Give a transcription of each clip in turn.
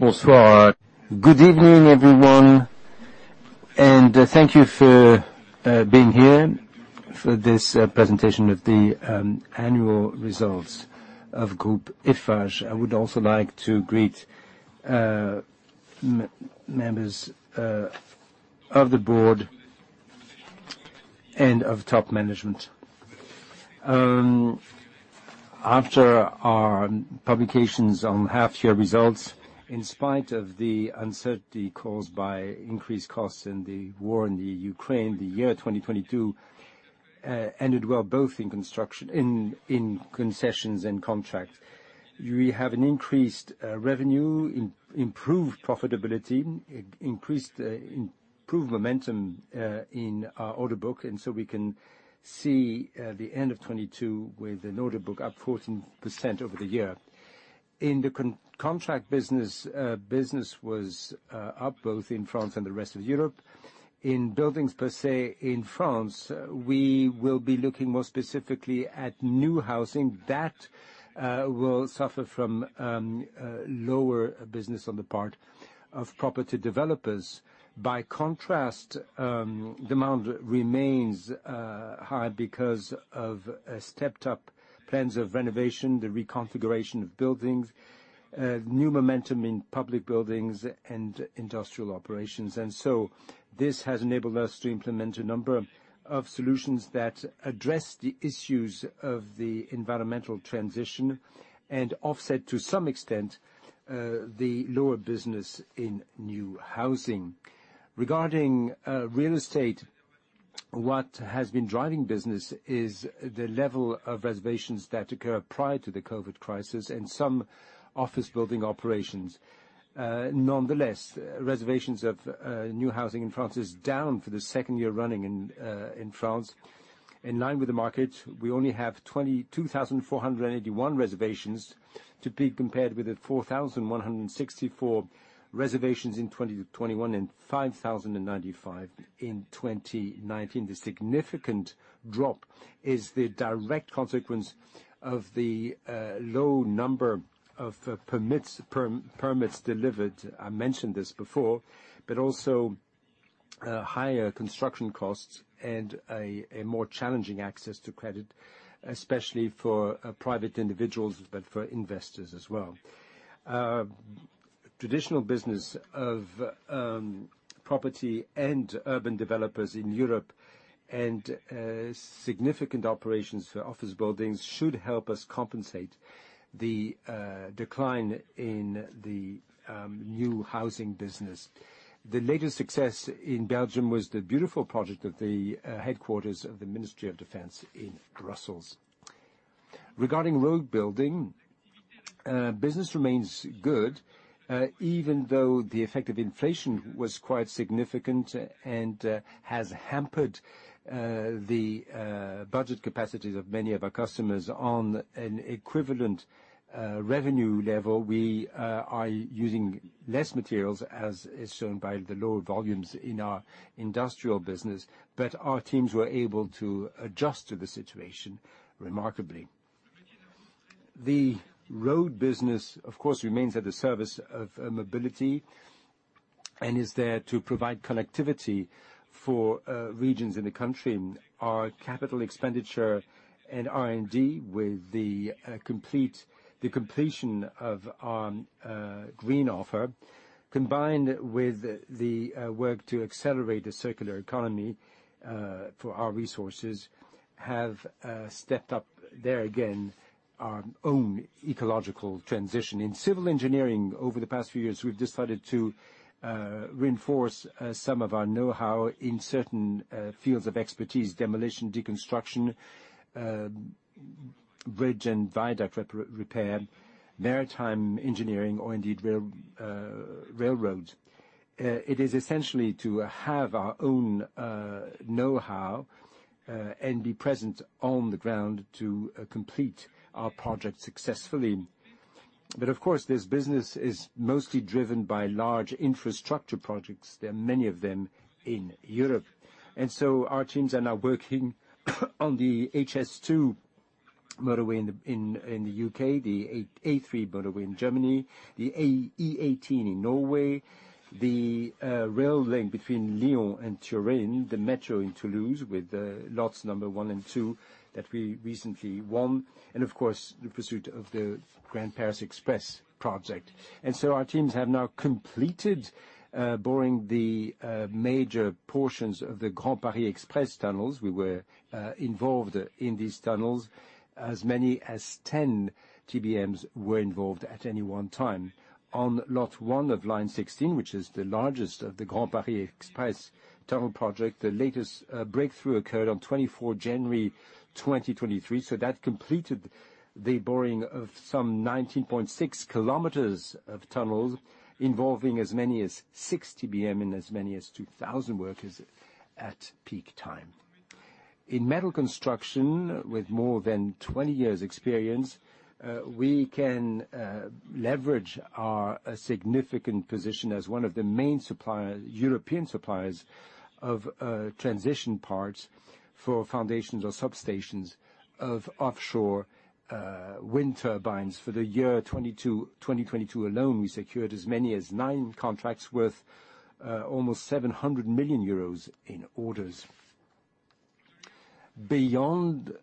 Bonsoir. Good evening, everyone, and thank you for being here for this presentation of the annual results of Eiffage Group. I would also like to greet members of the board and of top management. After our publications on half-year results, in spite of the uncertainty caused by increased costs and the war in the Ukraine, the year 2022 ended well both in construction, in concessions and contracts. We have an increased revenue, improved profitability, increased improved momentum in our order book. We can see the end of 22 with an order book up 14% over the year. In the contract business was up both in France and the rest of Europe. In buildings per se, in France, we will be looking more specifically at new housing. That will suffer from lower business on the part of property developers. By contrast, demand remains high because of stepped-up plans of renovation, the reconfiguration of buildings, new momentum in public buildings and industrial operations. This has enabled us to implement a number of solutions that address the issues of the environmental transition and offset, to some extent, the lower business in new housing. Regarding real estate, what has been driving business is the level of reservations that occur prior to the COVID crisis in some office building operations. Nonetheless, reservations of new housing in France is down for the second year running in France. In line with the market, we only have 22,481 reservations to be compared with the 4,164 reservations in 2021 and 5,095 in 2019. The significant drop is the direct consequence of the low number of permits delivered, I mentioned this before, but also higher construction costs and a more challenging access to credit, especially for private individuals, but for investors as well. Traditional business of property and urban developers in Europe and significant operations for office buildings should help us compensate the decline in the new housing business. The latest success in Belgium was the beautiful project of the headquarters of the Ministry of Defense in Brussels. Regarding road building, business remains good, even though the effect of inflation was quite significant and has hampered the budget capacities of many of our customers. On an equivalent revenue level, we are using less materials, as is shown by the lower volumes in our industrial business. Our teams were able to adjust to the situation remarkably. The road business, of course, remains at the service of mobility and is there to provide connectivity for regions in the country. Our capital expenditure and R&D with the completion of our green offer, combined with the work to accelerate the circular economy for our resources, have stepped up, there again, our own ecological transition. In civil engineering over the past few years, we've decided to reinforce some of our know-how in certain fields of expertise: demolition, deconstruction, bridge and viaduct repair, maritime engineering, or indeed rail railroads. It is essentially to have our own know-how and be present on the ground to complete our project successfully. Of course, this business is mostly driven by large infrastructure projects. There are many of them in Europe. Our teams are now working on the HS2 motorway in the U.K., the A3 motorway in Germany, the E18 in Norway, the rail link between Lyon and Turin, the metro in Toulouse with lots number one and two that we recently won, and of course, the pursuit of the Grand Paris Express project. Our teams have now completed boring the major portions of the Grand Paris Express tunnels. We were involved in these tunnels. As many as 10 TBMs were involved at any one time. On Lot 1 of Line 16, which is the largest of the Grand Paris Express tunnel project, the latest breakthrough occurred on January 24, 2023, so that completed the boring of some 19.6 kilometers of tunnels involving as many as six TBM and as many as 2,000 workers at peak time. In metal construction, with more than 20 years experience, we can leverage our significant position as one of the main European suppliers of transition parts for foundations or substations of offshore wind turbines. For the year 2022 alone, we secured as many as nine contracts worth almost 700 million euros in orders. Beyond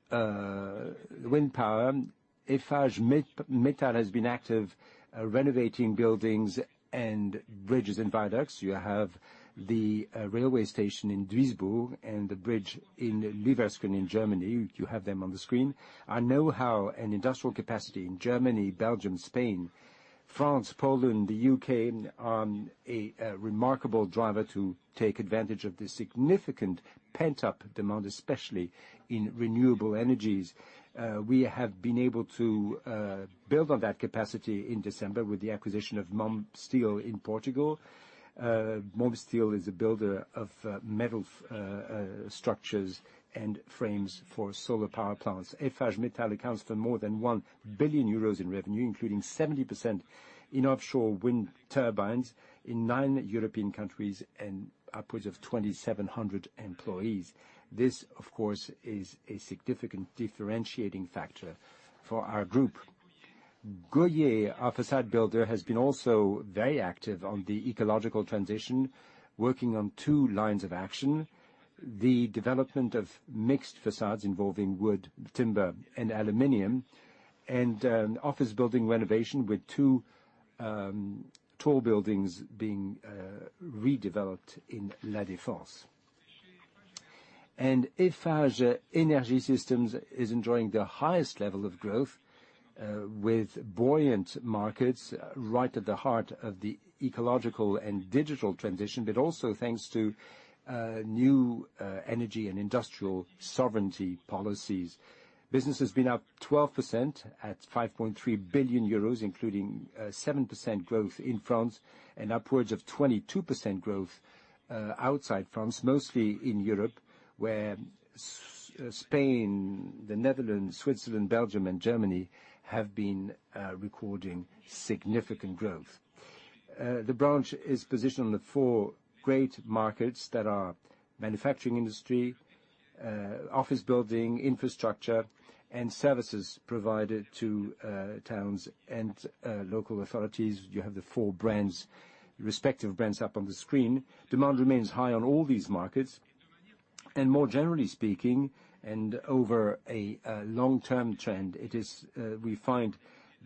wind power, Eiffage Métal has been active renovating buildings and bridges and viaducts. You have the railway station in Duisburg and the bridge in Lüdenscheid in Germany. You have them on the screen. Our know-how and industrial capacity in Germany, Belgium, Spain, France, Poland, the U.K. on a remarkable driver to take advantage of the significant pent-up demand, especially in renewable energies. We have been able to build on that capacity in December with the acquisition of Momsteel in Portugal. Momsteel is a builder of metal structures and frames for solar power plants. Eiffage Métal accounts for more than 1 billion euros in revenue, including 70% in offshore wind turbines in 9 European countries and upwards of 2,700 employees. This, of course, is a significant differentiating factor for our group. Goyer, our facade builder, has been also very active on the ecological transition, working on two lines of action, the development of mixed facades involving wood, timber, and aluminum, office building renovation with two tall buildings being redeveloped in La Défense. Eiffage Énergie Systèmes is enjoying the highest level of growth with buoyant markets right at the heart of the ecological and digital transition, but also thanks to new energy and industrial sovereignty policies. Business has been up 12% at 5.3 billion euros, including 7% growth in France and upwards of 22% growth outside France, mostly in Europe, where Spain, the Netherlands, Switzerland, Belgium, and Germany have been recording significant growth. The branch is positioned on the four great markets that are manufacturing industry, office building, infrastructure, and services provided to towns and local authorities. You have the four brands, respective brands up on the screen. Demand remains high on all these markets. More generally speaking, and over a long-term trend, it is, we find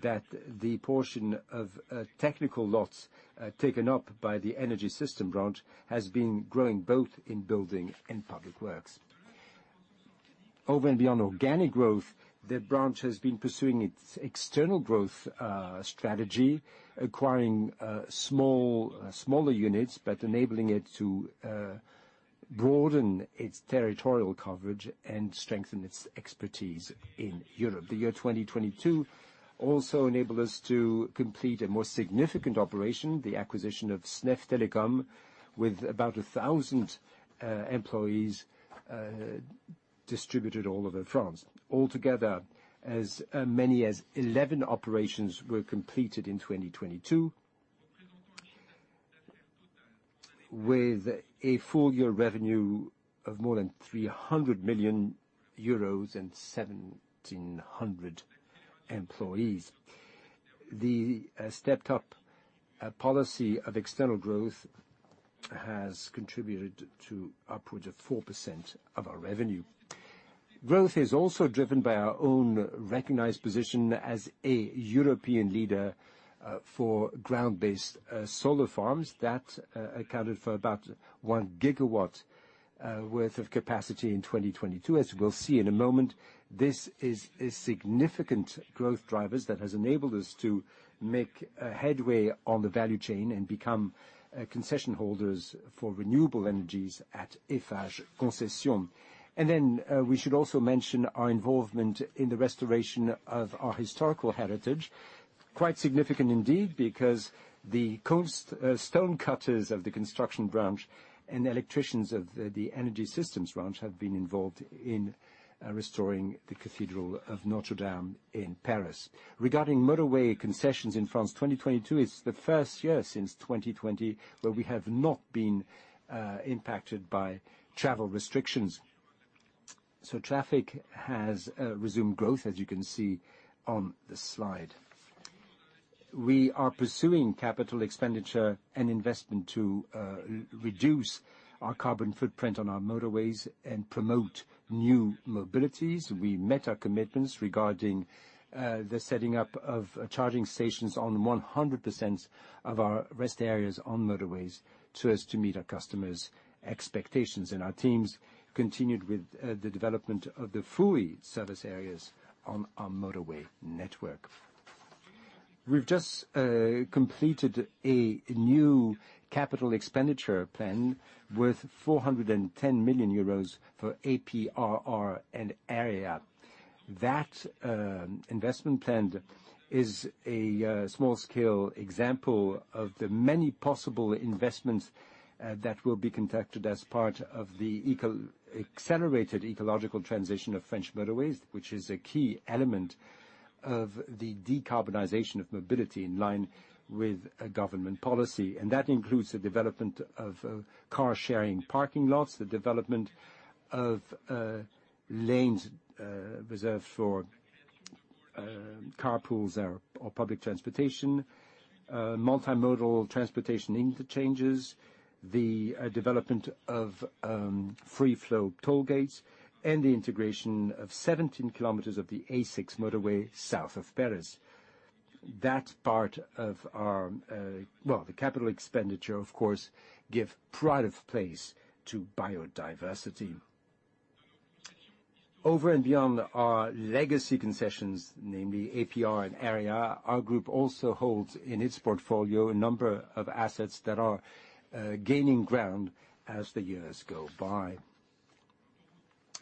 that the portion of technical lots taken up by the energy system branch has been growing both in building and public works. Over and beyond organic growth, the branch has been pursuing its external growth strategy, acquiring small, smaller units, but enabling it to broaden its territorial coverage and strengthen its expertise in Europe. The year 2022 also enabled us to complete a more significant operation, the acquisition of SNEF Telecom, with about 1,000 employees distributed all over France. Altogether, as many as 11 operations were completed in 2022 with a full year revenue of more than 300 million euros and 1,700 employees. The stepped up policy of external growth has contributed to upwards of 4% of our revenue. Growth is also driven by our own recognized position as a European leader for ground-based solar farms. That accounted for about 1 GW worth of capacity in 2022. As we'll see in a moment, this is a significant growth drivers that has enabled us to make a headway on the value chain and become concession holders for renewable energies at Eiffage Concessions. We should also mention our involvement in the restoration of our historical heritage. Quite significant indeed, because the coast stone cutters of the construction branch and electricians of the energy systems branch have been involved in restoring the Cathedral of Notre Dame in Paris. Regarding motorway concessions in France, 2022 is the first year since 2020 where we have not been impacted by travel restrictions. Traffic has resumed growth, as you can see on the slide. We are pursuing capital expenditure and investment to reduce our carbon footprint on our motorways and promote new mobilities. We met our commitments regarding the setting up of charging stations on 100% of our rest areas on motorways so as to meet our customers' expectations. Our teams continued with the development of the Fulli service areas on our motorway network. We've just completed a new capital expenditure plan worth 410 million euros for APRR and AREA. That investment plan is a small scale example of the many possible investments that will be conducted as part of the accelerated ecological transition of French motorways, which is a key element of the decarbonization of mobility in line with a government policy. That includes the development of car-sharing parking lots, the development of lanes reserved for carpools or public transportation, multimodal transportation interchanges, the development of free-flow toll gates, and the integration of 17 km of the A6 motorway south of Paris. That part of our capital expenditure, of course, give pride of place to biodiversity. Over and beyond our legacy concessions, namely APRR and AREA, our group also holds in its portfolio a number of assets that are gaining ground as the years go by.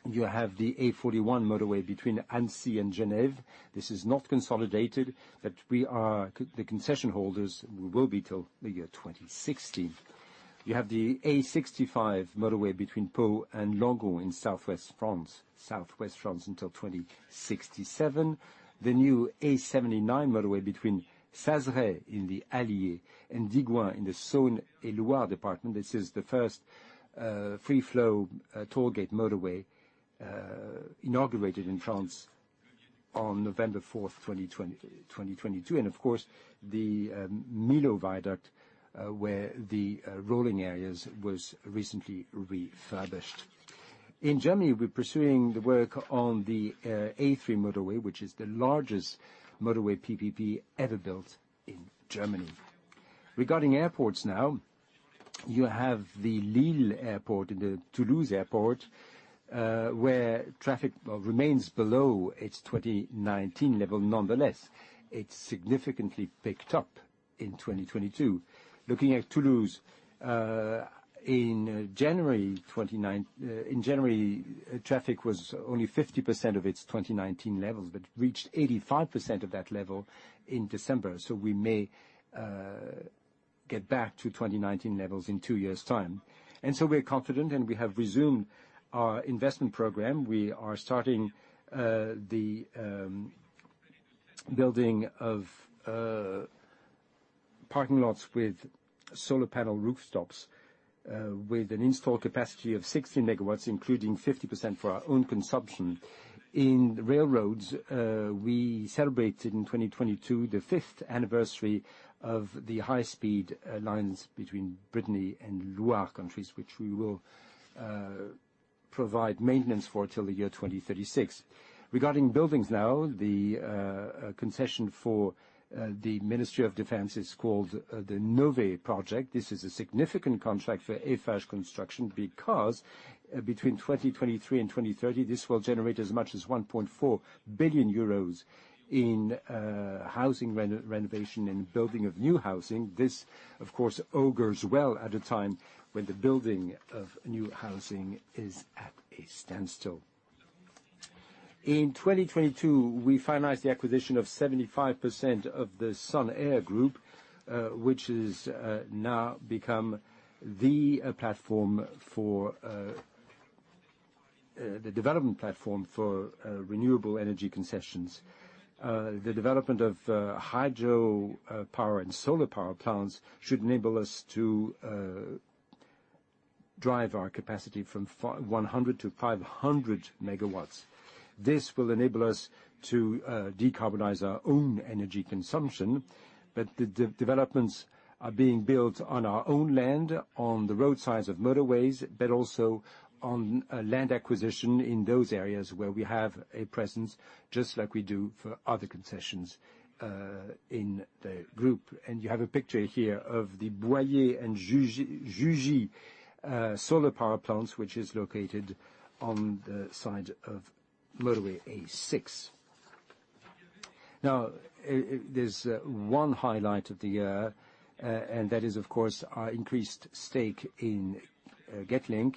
You have the A41 motorway between Annecy and Genève. This is not consolidated, we are the concession holders. We will be till the year 2060. You have the A65 motorway between Pau and Lourdes in southwest France. Southwest France until 2067. The new A79 motorway between Mazamet in the Allier and Digoin in the Saône-et-Loire department. This is the first free-flow tollgate motorway inaugurated in France on November 4th, 2022. Of course, the Millau Viaduct, where the rolling areas was recently refurbished. In Germany, we're pursuing the work on the A3 motorway, which is the largest motorway PPP ever built in Germany. Regarding airports now, you have the Lille Airport and the Toulouse Airport, where traffic, well, remains below its 2019 level. Nonetheless, it's significantly picked up in 2022. Looking at Toulouse, in January, traffic was only 50% of its 2019 levels, but reached 85% of that level in December. We may get back to 2019 levels in two years' time. We're confident, and we have resumed our investment program. We are starting the building of parking lots with solar panel rooftops, with an install capacity of 60 MW, including 50% for our own consumption. In railroads, we celebrated in 2022 the 5th anniversary of the high-speed lines between Brittany and Loire countries, which we will provide maintenance for till the year 2036. Regarding buildings now, the concession for the Ministry of Defense is called the Nové project. This is a significant contract for Eiffage Construction because between 2023 and 2030, this will generate as much as 1.4 billion euros in housing renovation and building of new housing. This, of course, augurs well at a time when the building of new housing is at a standstill. In 2022, we finalized the acquisition of 75% of the Sun'R Group, which is now become the platform for the development platform for renewable energy concessions. The development of hydropower and solar power plants should enable us to drive our capacity from 100 to 500 MW. This will enable us to decarbonize our own energy consumption, but the developments are being built on our own land, on the roadsides of motorways, but also on a land acquisition in those areas where we have a presence, just like we do for other concessions in the group. You have a picture here of the Boyé and Jugy solar power plants, which is located on the side of motorway A6. Now, there's one highlight of the year, and that is, of course, our increased stake in Getlink.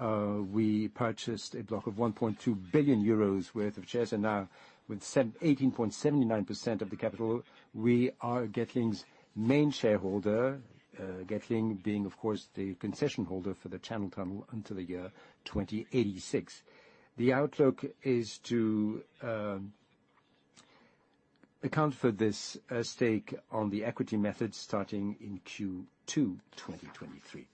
We purchased a block of 1.2 billion euros worth of shares, and now with 18.79% of the capital, we are Getlink's main shareholder. Getlink being, of course, the concession holder for the Channel Tunnel until the year 2086. The outlook is to account for this stake on the equity method starting in Q2, 2023.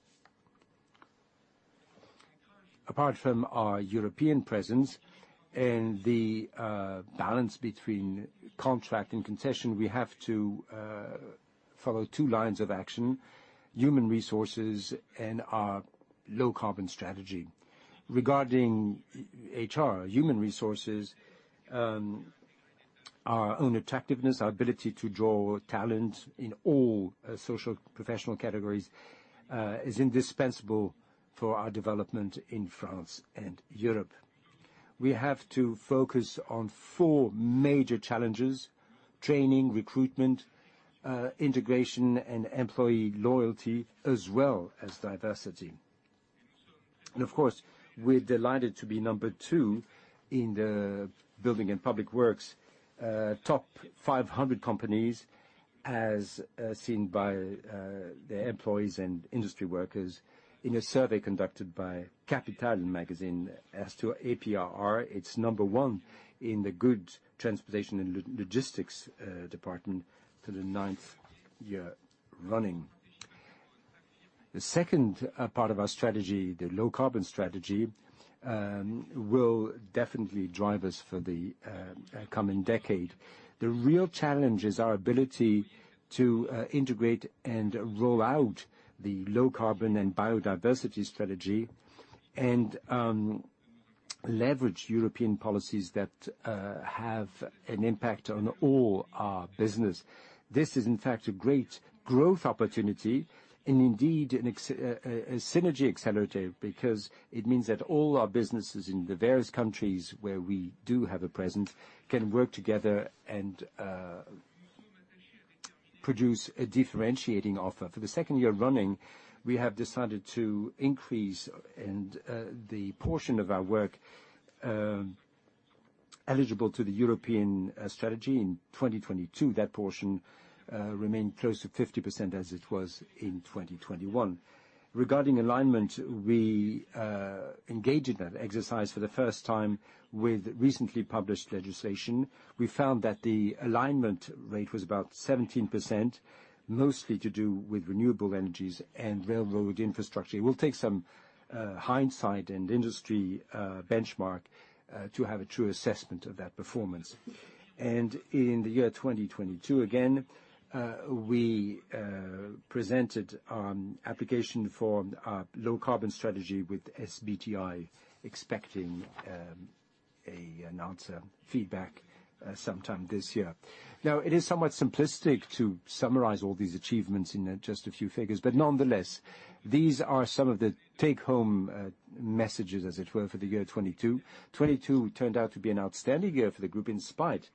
Apart from our European presence and the balance between contract and concession, we have to follow two lines of action: human resources and our low carbon strategy. Regarding HR, human resources, our own attractiveness, our ability to draw talent in all social professional categories, is indispensable for our development in France and Europe. We have to focus on four major challenges: training, recruitment, integration, and employee loyalty, as well as diversity. Of course, we're delighted to be number two in the Building and Public Works top 500 companies as seen by the employees and industry workers in a survey conducted by Capital magazine. As to APRR, it's number one in the good transportation and logistics department for the ninth year running. The second part of our strategy, the low carbon strategy, will definitely drive us for the coming decade. The real challenge is our ability to integrate and roll out the low-carbon and biodiversity strategy and leverage European policies that have an impact on all our business. This is in fact a great growth opportunity and indeed a synergy accelerator because it means that all our businesses in the various countries where we do have a presence can work together and produce a differentiating offer. For the second year running, we have decided to increase the portion of our work eligible to the European strategy in 2022. That portion remained close to 50% as it was in 2021. Regarding alignment, we engaged in that exercise for the first time with recently published legislation. We found that the alignment rate was about 17%, mostly to do with renewable energies and railroad infrastructure. It will take some hindsight and industry benchmark to have a true assessment of that performance. In the year 2022, again, we presented an application for our low-carbon strategy with SBTi expecting an answer, feedback, sometime this year. It is somewhat simplistic to summarize all these achievements in just a few figures, but nonetheless, these are some of the take-home messages, as it were, for the year 2022. 2022 turned out to be an outstanding year for the group in spite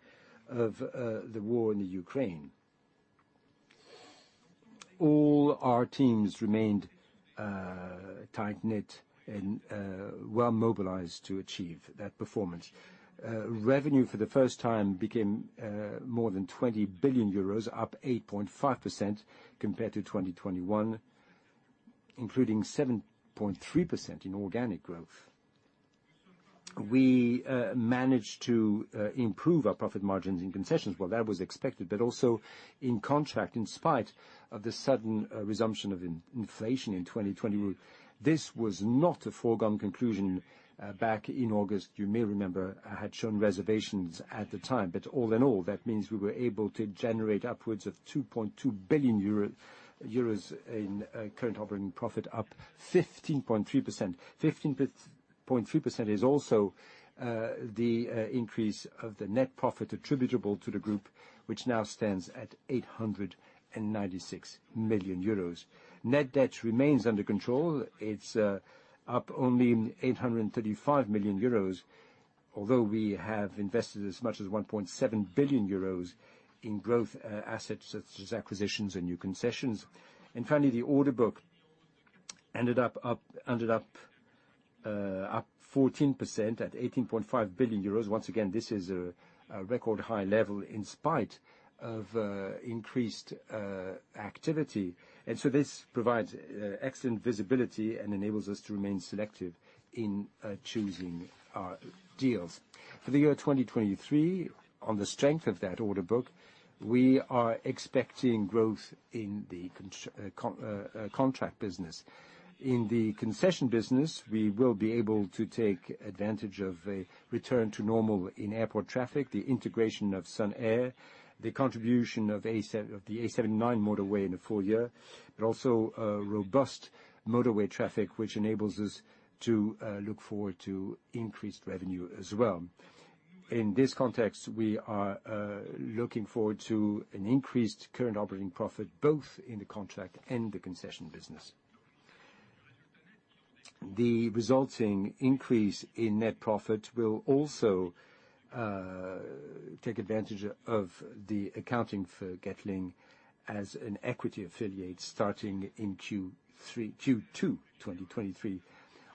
of the war in the Ukraine. All our teams remained tight-knit and well-mobilized to achieve that performance. Revenue for the first time became more than 20 billion euros, up 8.5% compared to 2021, including 7.3% in organic growth. We managed to improve our profit margins in concessions. Well, that was expected, but also in contract, in spite of the sudden resumption of in-inflation in 2020. This was not a foregone conclusion back in August. You may remember I had shown reservations at the time, but all in all, that means we were able to generate upwards of 2.2 billion euro in current operating profit, up 15.3%. 15.3% is also the increase of the net profit attributable to the group, which now stands at 896 million euros. Net debt remains under control. It's up only 835 million euros, although we have invested as much as 1.7 billion euros in growth assets, such as acquisitions and new concessions. Finally, the order book ended up 14% at 18.5 billion euros. Once again, this is a record high level in spite of increased activity. This provides excellent visibility and enables us to remain selective in choosing our deals. For the year 2023, on the strength of that order book, we are expecting growth in the contract business. In the concession business, we will be able to take advantage of a return to normal in airport traffic, the integration of Sun'R, the contribution of the A79 motorway in the full year, but also robust motorway traffic, which enables us to look forward to increased revenue as well. In this context, we are looking forward to an increased current operating profit, both in the contract and the concession business. The resulting increase in net profit will also take advantage of the accounting for Getlink as an equity affiliate starting in Q2 2023.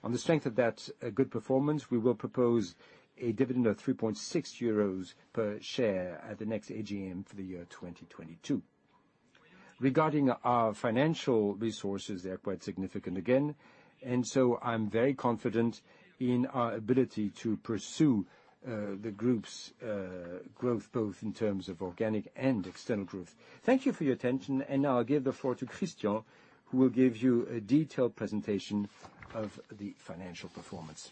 On the strength of that good performance, we will propose a dividend of 3.6 euros per share at the next AGM for the year 2022. Regarding our financial resources, they are quite significant again, I'm very confident in our ability to pursue the group's growth, both in terms of organic and external growth. Thank you for your attention, I'll give the floor to Christian, who will give you a detailed presentation of the financial performance.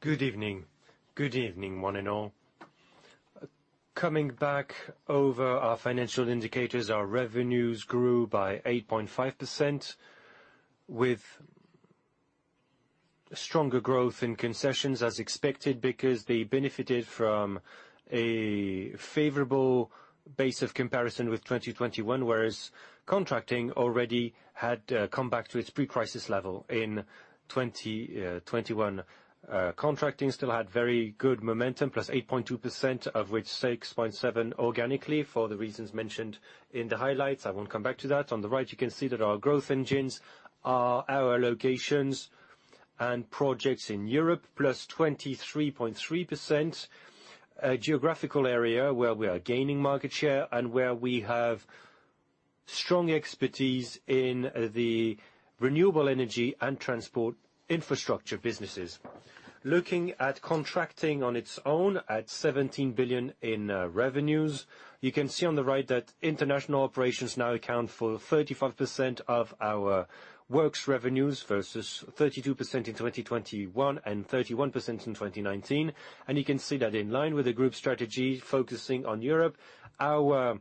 Good evening. Good evening, one and all. Coming back over our financial indicators, our revenues grew by 8.5%.Stronger growth in concessions as expected, because they benefited from a favorable base of comparison with 2021, whereas contracting already had come back to its pre-crisis level in 2021. Contracting still had very good momentum, +8.2% of which 6.7% organically for the reasons mentioned in the highlights. I won't come back to that. On the right, you can see that our growth engines are our locations and projects in Europe, +23.3%. A geographical area where we are gaining market share and where we have strong expertise in the renewable energy and transport infrastructure businesses. Looking at contracting on its own at 17 billion in revenues. You can see on the right that international operations now account for 35% of our works revenues versus 32% in 2021, and 31% in 2019. You can see that in line with the group strategy focusing on Europe. Our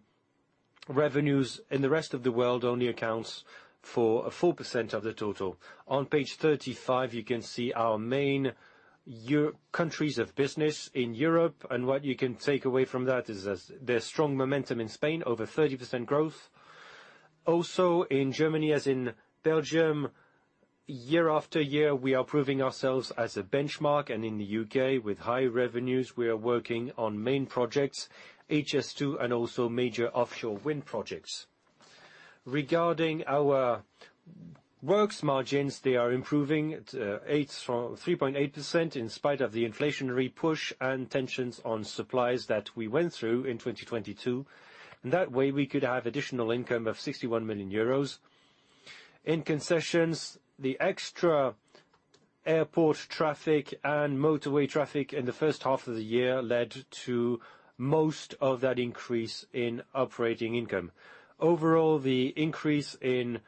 revenues in the rest of the world only accounts for 4% of the total. On page 35, you can see our main countries of business in Europe, and what you can take away from that is the strong momentum in Spain, over 30% growth. Also in Germany, as in Belgium, year after year, we are proving ourselves as a benchmark. In the UK, with high revenues, we are working on main projects, HS2 and also major offshore wind projects. Regarding our works margins, they are improving at 3.8% in spite of the inflationary push and tensions on supplies that we went through in 2022. In that way, we could have additional income of 61 million euros. In concessions, the extra airport traffic and motorway traffic in the first half of the year led to most of that increase in operating income. Overall, the increase in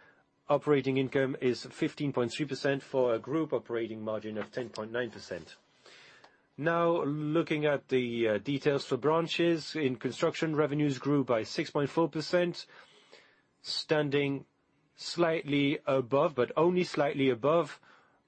operating income is 15.3% for a group operating margin of 10.9%. Looking at the details for branches. In construction, revenues grew by 6.4%, standing slightly above, but only slightly above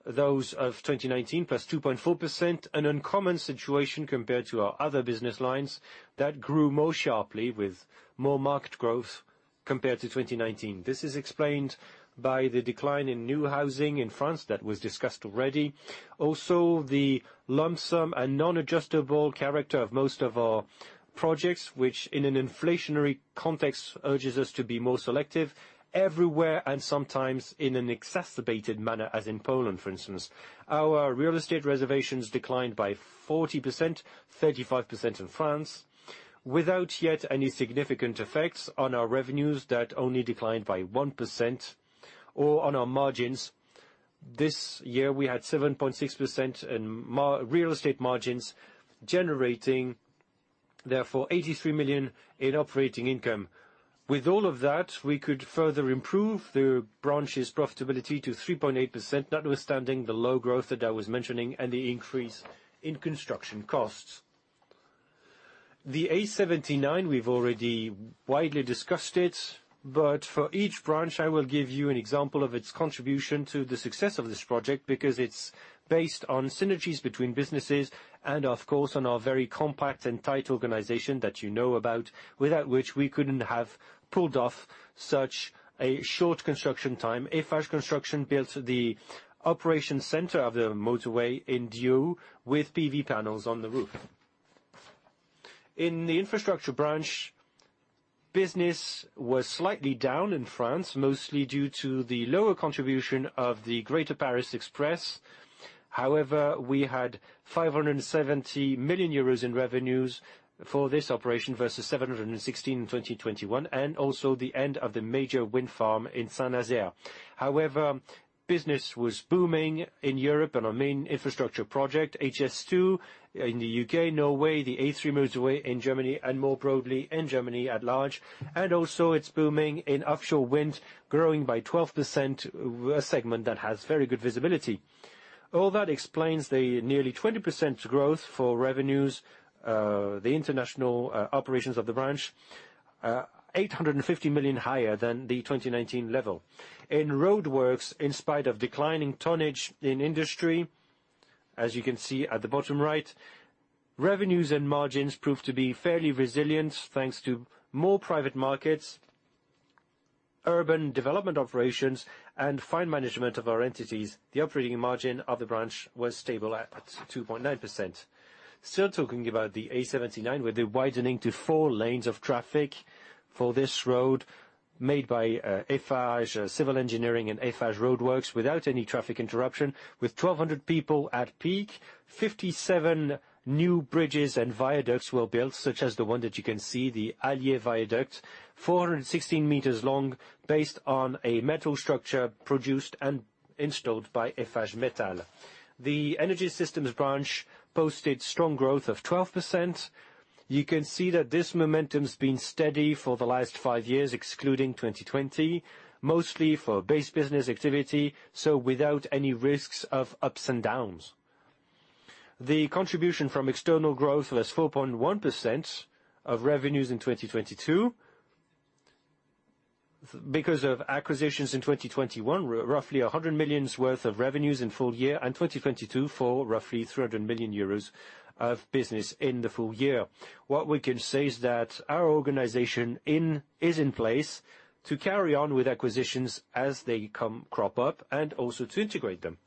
those of 2019, +2.4%. An uncommon situation compared to our other business lines that grew more sharply with more market growth compared to 2019. This is explained by the decline in new housing in France that was discussed already. The lump sum and non-adjustable character of most of our projects, which in an inflationary context, urges us to be more selective everywhere and sometimes in an exacerbated manner, as in Poland, for instance. Our real estate reservations declined by 40%, 35% in France, without yet any significant effects on our revenues that only declined by 1% or on our margins. This year we had 7.6% in real estate margins, generating therefore 83 million in operating income. With all of that, we could further improve the branch's profitability to 3.8%, notwithstanding the low growth that I was mentioning and the increase in construction costs. The A79, we've already widely discussed it. For each branch, I will give you an example of its contribution to the success of this project, because it's based on synergies between businesses and of course, on our very compact and tight organization that you know about, without which we couldn't have pulled off such a short construction time. Eiffage Construction built the operation center of the motorway in Thiel with PV panels on the roof. In the infrastructure branch, business was slightly down in France, mostly due to the lower contribution of the Grand Paris Express. We had 570 million euros in revenues for this operation versus 716 in 2021, and also the end of the major wind farm in Saint-Nazaire. Business was booming in Europe on our main infrastructure project, HS2 in the UK, Norway, the A3 motorway in Germany, and more broadly in Germany at large. It's booming in offshore wind, growing by 12%, a segment that has very good visibility. All that explains the nearly 20% growth for revenues, the international operations of the branch, 850 million higher than the 2019 level. In roadworks, in spite of declining tonnage in industry, as you can see at the bottom right, revenues and margins prove to be fairly resilient, thanks to more private markets, urban development operations, and fine management of our entities. The operating margin of the branch was stable at 2.9%. Still talking about the A79, with the widening to four lanes of traffic for this road made by Eiffage Génie Civil and Eiffage Route without any traffic interruption with 1,200 people at peak. 57 new bridges and viaducts were built, such as the one that you can see, the Allier viaduct, 416 meters long, based on a metal structure produced and installed by Eiffage Métal. The energy systems branch posted strong growth of 12%. You can see that this momentum's been steady for the last 5 years, excluding 2020, mostly for base business activity, so without any risks of ups and downs. The contribution from external growth was 4.1% of revenues in 2022. Because of acquisitions in 2021, roughly 100 million worth of revenues in full year, and 2022 for roughly 300 million euros of revenues of business in the full year. Our organization is in place to carry on with acquisitions as they crop up and also to integrate them.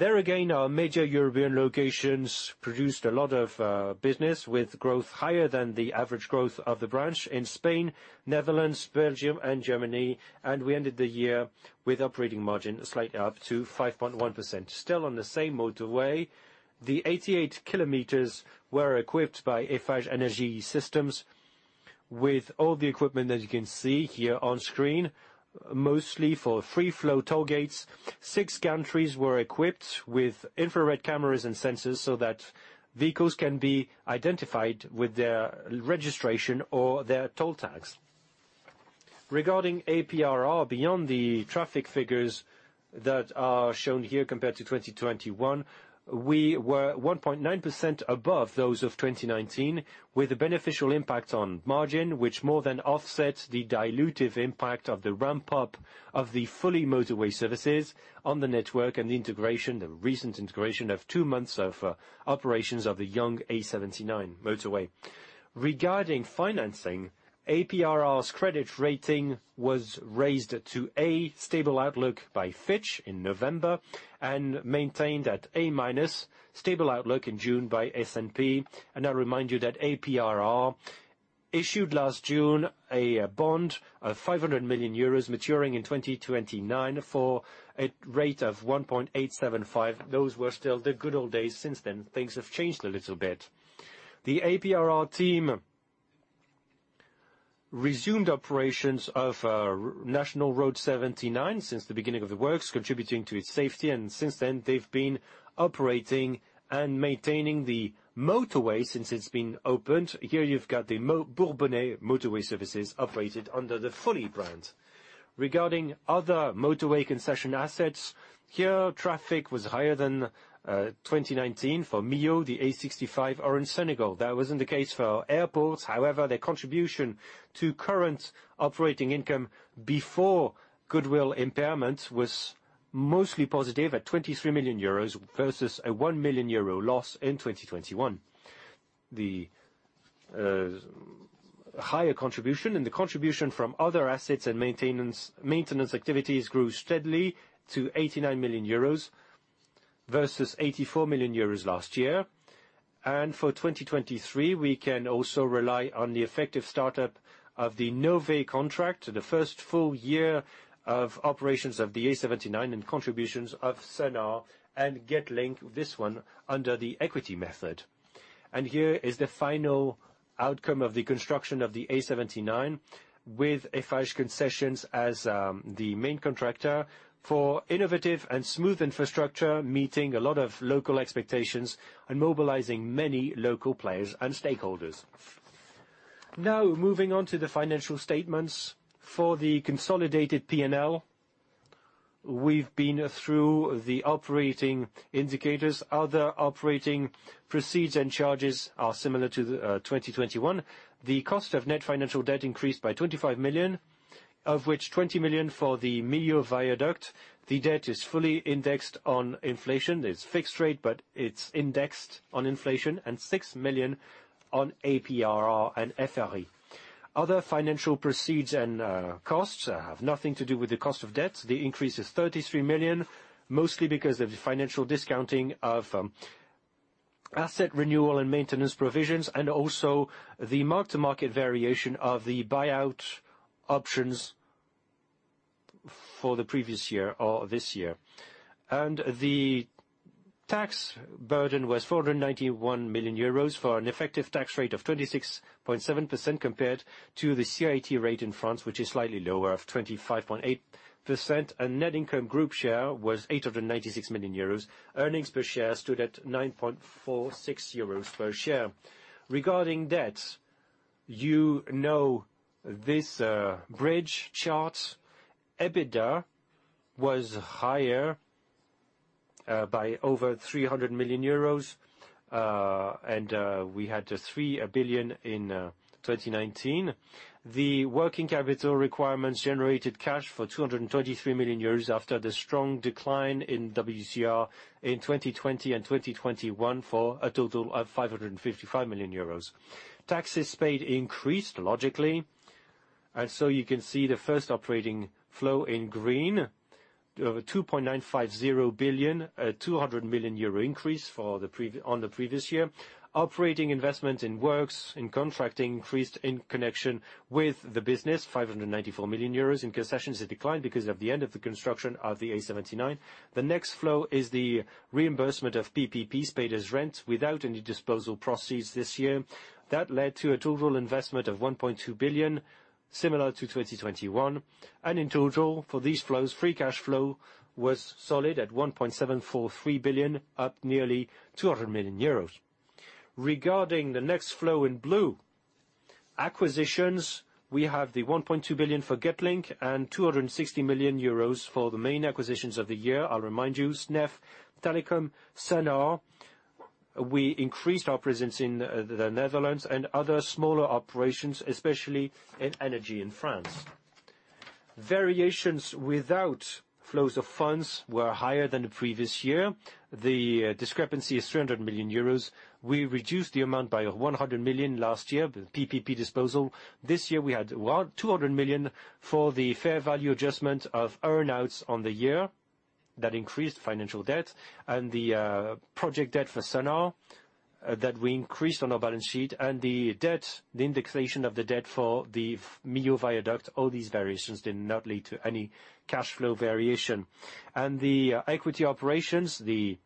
Our major European locations produced a lot of business with growth higher than the average growth of the branch in Spain, Netherlands, Belgium, and Germany, and we ended the year with operating margin slightly up to 5.1%. Still on the same motorway, the 88 km were equipped by Eiffage Énergie Systèmes with all the equipment that you can see here on screen, mostly for free-flow toll gates. Six countries were equipped with infrared cameras and sensors so that vehicles can be identified with their registration or their toll tags. Regarding APRR, beyond the traffic figures that are shown here compared to 2021, we were 1.9% above those of 2019, with a beneficial impact on margin, which more than offsets the dilutive impact of the ramp-up of the Fulli motorway services on the network and the integration, the recent integration of two months of operations of the young A79 motorway. Regarding financing, APRR's credit rating was raised to A, stable outlook by Fitch in November, and maintained at A-, stable outlook in June by S&P. I remind you that APRR issued last June a bond of 500 million euros maturing in 2029 for a rate of 1.875. Those were still the good old days. Since then, things have changed a little bit. The APRR team resumed operations of National Road 79 since the beginning of the works, contributing to its safety, and since then, they've been operating and maintaining the motorway since it's been opened. Here you've got the Bourbonnais motorway services operated under the Fulli brand. Regarding other motorway concession assets, here traffic was higher than 2019 for Millau, the A65, or in Senegal. That wasn't the case for airports. Their contribution to current operating income before goodwill impairment was mostly positive at 23 million euros versus a 1 million euro loss in 2021. The higher contribution and the contribution from other assets and maintenance activities grew steadily to 89 million euros versus 84 million euros last year. For 2023, we can also rely on the effective start-up of the Nové contract, the first full year of operations of the A79 and contributions of Sun'R and Getlink, this one under the equity method. Here is the final outcome of the construction of the A79 with Eiffage Concessions as the main contractor for innovative and smooth infrastructure, meeting a lot of local expectations, and mobilizing many local players and stakeholders. Moving on to the financial statements. For the consolidated P&L, we've been through the operating indicators. Other operating proceeds and charges are similar to the 2021. The cost of net financial debt increased by 25 million, of which 20 million for the Millau viaduct. The debt is fully indexed on inflation. There's fixed rate, but it's indexed on inflation and 6 million on APRR and FRE. Other financial proceeds and costs have nothing to do with the cost of debt. The increase is 33 million, mostly because of the financial discounting of asset renewal and maintenance provisions, and also the mark-to-market variation of the buyout options for the previous year or this year. The tax burden was 491 million euros for an effective tax rate of 26.7% compared to the CIT rate in France, which is slightly lower of 25.8%. Net income group share was 896 million euros. Earnings per share stood at 9.46 euros per share. Regarding debt, you know this bridge chart. EBITDA was higher by over 300 million euros, we had a 3 billion in 2019. The working capital requirements generated cash for 223 million euros after the strong decline in WCR in 2020 and 2021 for a total of 555 million euros. Taxes paid increased, logically. You can see the first operating flow in green, 2.950 billion, a 200 million euro increase on the previous year. Operating investment in works, in contracting increased in connection with the business, 594 million euros. In concessions, it declined because of the end of the construction of the A79. The next flow is the reimbursement of PPPs paid as rent without any disposal proceeds this year. That led to a total investment of 1.2 billion, similar to 2021. In total, for these flows, free cash flow was solid at 1.743 billion, up nearly 200 million euros. Regarding the next flow in blue, acquisitions, we have the 1.2 billion for Getlink and 260 million euros for the main acquisitions of the year. I'll remind you, SNEF Telecom, Sun'R. We increased our presence in the Netherlands and other smaller operations, especially in energy in France. Variations without flows of funds were higher than the previous year. The discrepancy is 300 million euros. We reduced the amount by 100 million last year with PPP disposal. This year, we had 200 million for the fair value adjustment of earn-outs on the year. That increased financial debt and the project debt for Sun'R that we increased on our balance sheet and the debt, the indexation of the debt for the Millau viaduct, all these variations did not lead to any cash flow variation. The equity operations, the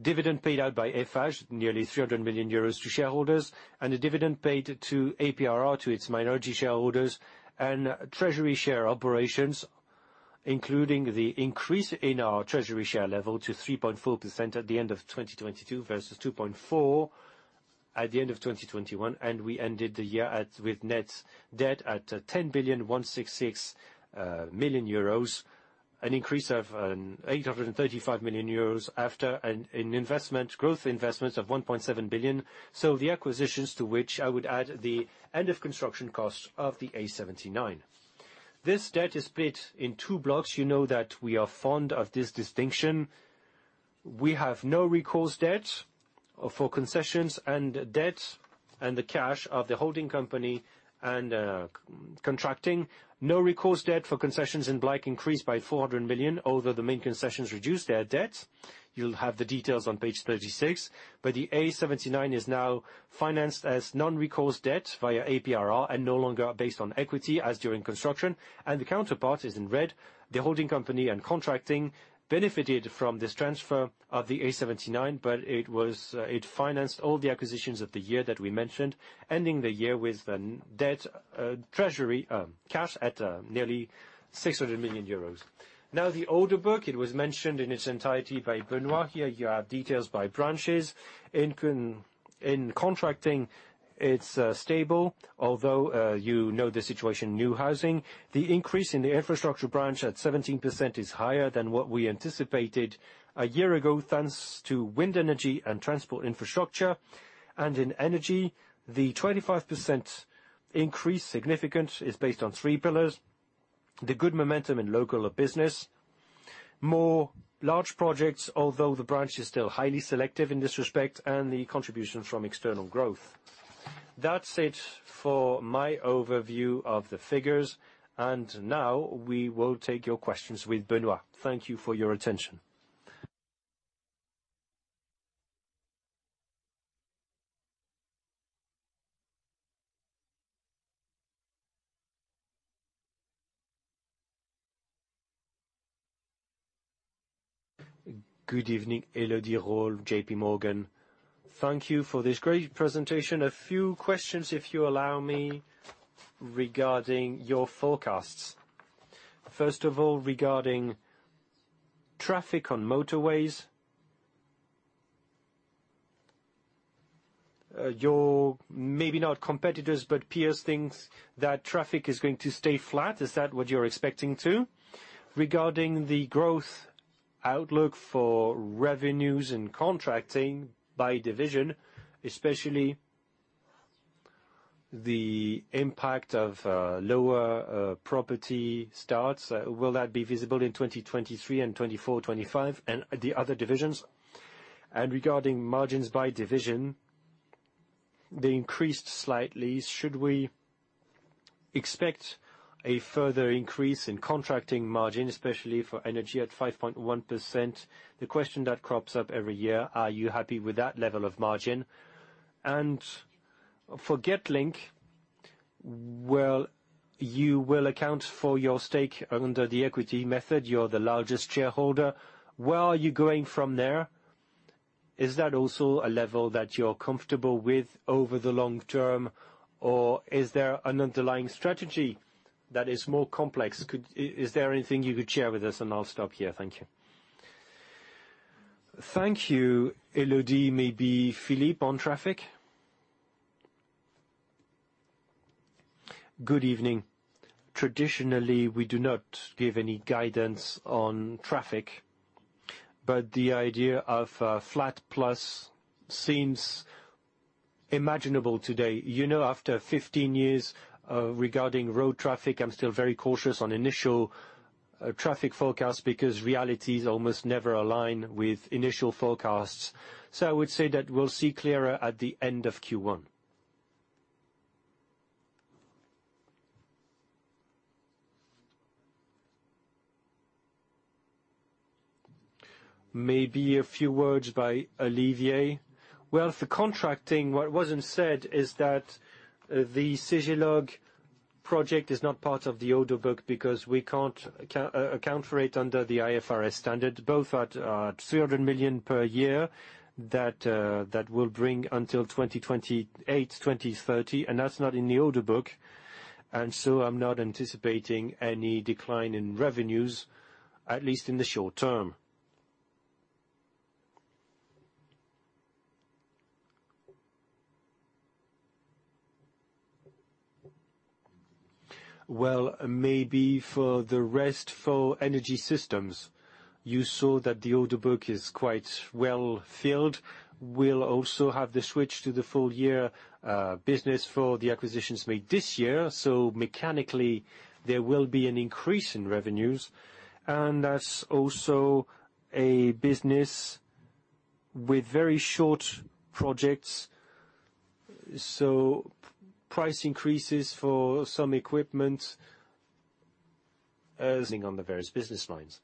dividend paid out by Eiffage, nearly 300 million euros to shareholders, and the dividend paid to APRR to its minority shareholders, and treasury share operations, including the increase in our treasury share level to 3.4% at the end of 2022 versus 2.4 at the end of 2021, and we ended the year with net debt at 10 billion 166 million, an increase of 835 million euros after an investment, growth investment of 1.7 billion. The acquisitions, to which I would add the end of construction cost of the A79. This debt is split in two blocks. You know that we are fond of this distinction. We have no recourse debt for concessions and debt and the cash of the holding company and contracting. No recourse debt for concessions in black increased by 400 million, although the main concessions reduced their debt. You'll have the details on page 36. The A79 is now financed as non-recourse debt via APRR and no longer based on equity as during construction. The counterpart is in red. The holding company and contracting benefited from this transfer of the A79, but it was, it financed all the acquisitions of the year that we mentioned, ending the year with an debt, treasury, cash at, nearly 600 million euros. The order book, it was mentioned in its entirety by Benoît. Here you have details by branches. In contracting, it's stable, although, you know the situation new housing. The increase in the infrastructure branch at 17% is higher than what we anticipated a year ago, thanks to wind energy and transport infrastructure. In energy, the 25% increase, significant, is based on three pillars: the good momentum in local business, more large projects, although the branch is still highly selective in this respect, and the contribution from external growth. That's it for my overview of the figures. Now we will take your questions with Benoît. Thank you for your attention. Good evening, Elodie Rall, JPMorgan. Thank you for this great presentation. A few questions, if you allow me, regarding your forecasts. First of all, regarding traffic on motorways. Your maybe not competitors, but peers think that traffic is going to stay flat. Is that what you're expecting too? Regarding the growth outlook for revenues and contracting by division, especially the impact of lower property starts, will that be visible in 2023 and 2024, 2025 and the other divisions? Regarding margins by division, they increased slightly. Should we expect a further increase in contracting margin, especially for energy at 5.1%? The question that crops up every year, are you happy with that level of margin? For Getlink, well, you will account for your stake under the equity method. You're the largest shareholder. Where are you going from there? Is that also a level that you're comfortable with over the long term? Or is there an underlying strategy that is more complex? Is there anything you could share with us? I'll stop here. Thank you. Thank you. Elodie, maybe Philippe on traffic. Good evening. Traditionally, we do not give any guidance on traffic, but the idea of flat plus seems imaginable today. You know, after 15 years, regarding road traffic, I'm still very cautious on initial traffic forecasts because realities almost never align with initial forecasts. I would say that we'll see clearer at the end of Q1. Maybe a few words by Olivier. Well, for contracting, what wasn't said is that the Cigelog project is not part of the order book because we can't account for it under the IFRS standard, both at 300 million per year that will bring until 2028, 2030. That's not in the order book. I'm not anticipating any decline in revenues, at least in the short term. Well, maybe for the rest, for Energy Systems, you saw that the order book is quite well filled. We'll also have the switch to the full year business for the acquisitions made this year. Mechanically, there will be an increase in revenues. That's also a business with very short projects. Price increases for some equipment. On the various business lines.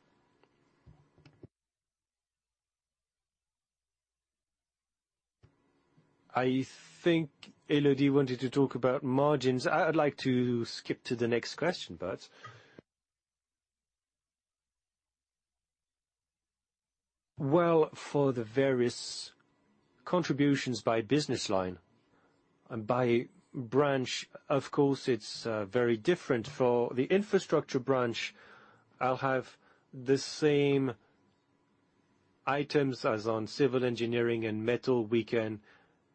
I think Elodie wanted to talk about margins. I'd like to skip to the next question, but. For the various contributions by business line and by branch, of course, it's very different. For the infrastructure branch, I'll have the same items as on civil engineering and metal. We can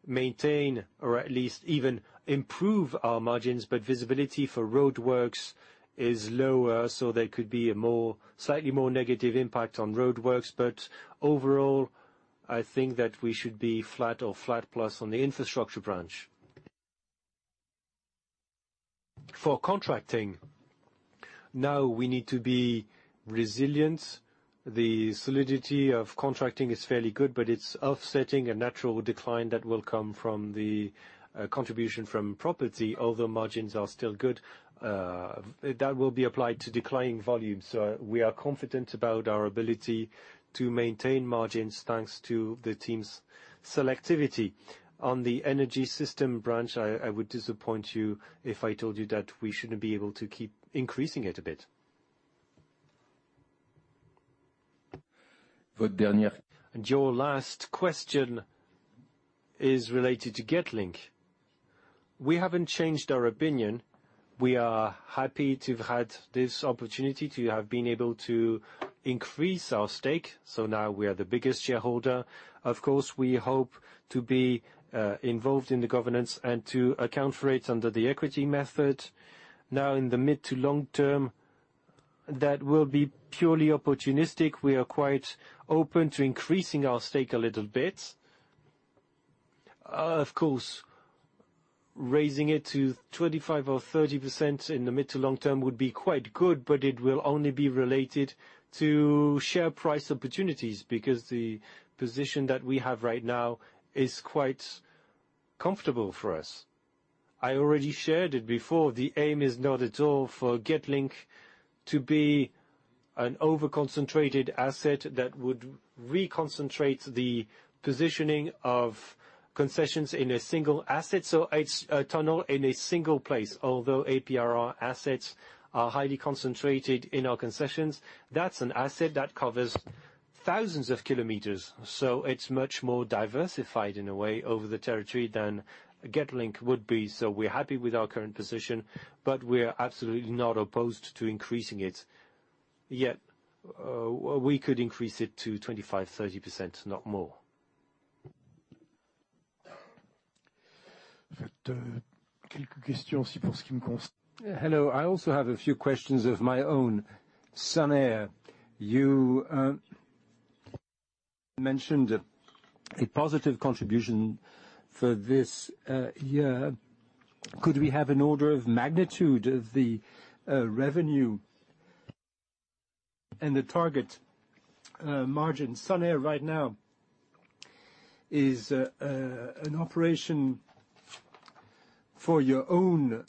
maintain or at least even improve our margins, but visibility for roadworks is lower, so there could be a more, slightly more negative impact on roadworks. Overall, I think that we should be flat or flat plus on the infrastructure branch. For contracting, now we need to be resilient. The solidity of contracting is fairly good, it's offsetting a natural decline that will come from the contribution from property, although margins are still good. That will be applied to declining volumes. We are confident about our ability to maintain margins, thanks to the team's selectivity. On the energy system branch, I would disappoint you if I told you that we shouldn't be able to keep increasing it a bit. Your last question is related to Getlink. We haven't changed our opinion. We are happy to have had this opportunity to have been able to increase our stake, so now we are the biggest shareholder. We hope to be involved in the governance and to account for it under the equity method. In the mid to long term, that will be purely opportunistic. We are quite open to increasing our stake a little bit. Of course, raising it to 25% or 30% in the mid to long term would be quite good, but it will only be related to share price opportunities, because the position that we have right now is quite comfortable for us. I already shared it before. The aim is not at all for Getlink to be an over-concentrated asset that would reconcentrate the positioning of concessions in a single asset, so it's a tunnel in a single place. Although APRR assets are highly concentrated in our concessions, that's an asset that covers thousands of kilometers, so it's much more diversified in a way over the territory than Getlink would be. We're happy with our current position, but we're absolutely not opposed to increasing it. We could increase it to 25-30%, not more. Can you question Elodie. I also have a few questions of my own. Sun'R, you mentioned a positive contribution for this year. Could we have an order of magnitude of the revenue and the target margin? Sun'R right now is an operation for your own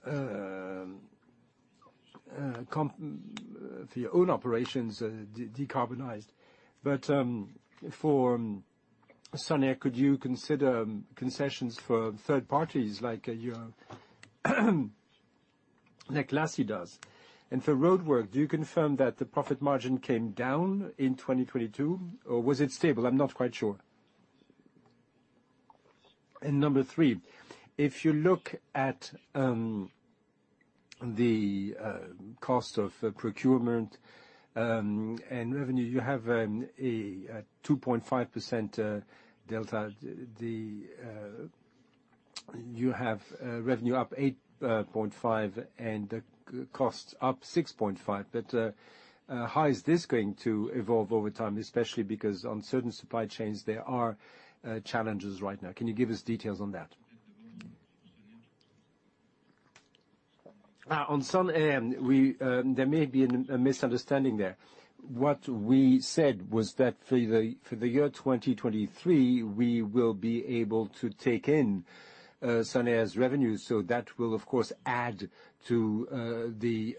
operations, decarbonized. For Sun'R, could you consider concessions for third parties like LaSalle does? For roadwork, do you confirm that the profit margin came down in 2022, or was it stable? I'm not quite sure. Number three, if you look at the cost of procurement and revenue, you have a 2.5% delta. You have revenue up 8.5% and costs up 6.5%. How is this going to evolve over time, especially because on certain supply chains, there are challenges right now. Can you give us details on that? On Sun'R, we, there may be a misunderstanding there. What we said was that for the year 2023, we will be able to take in Sun'R's revenues, so that will, of course, add to the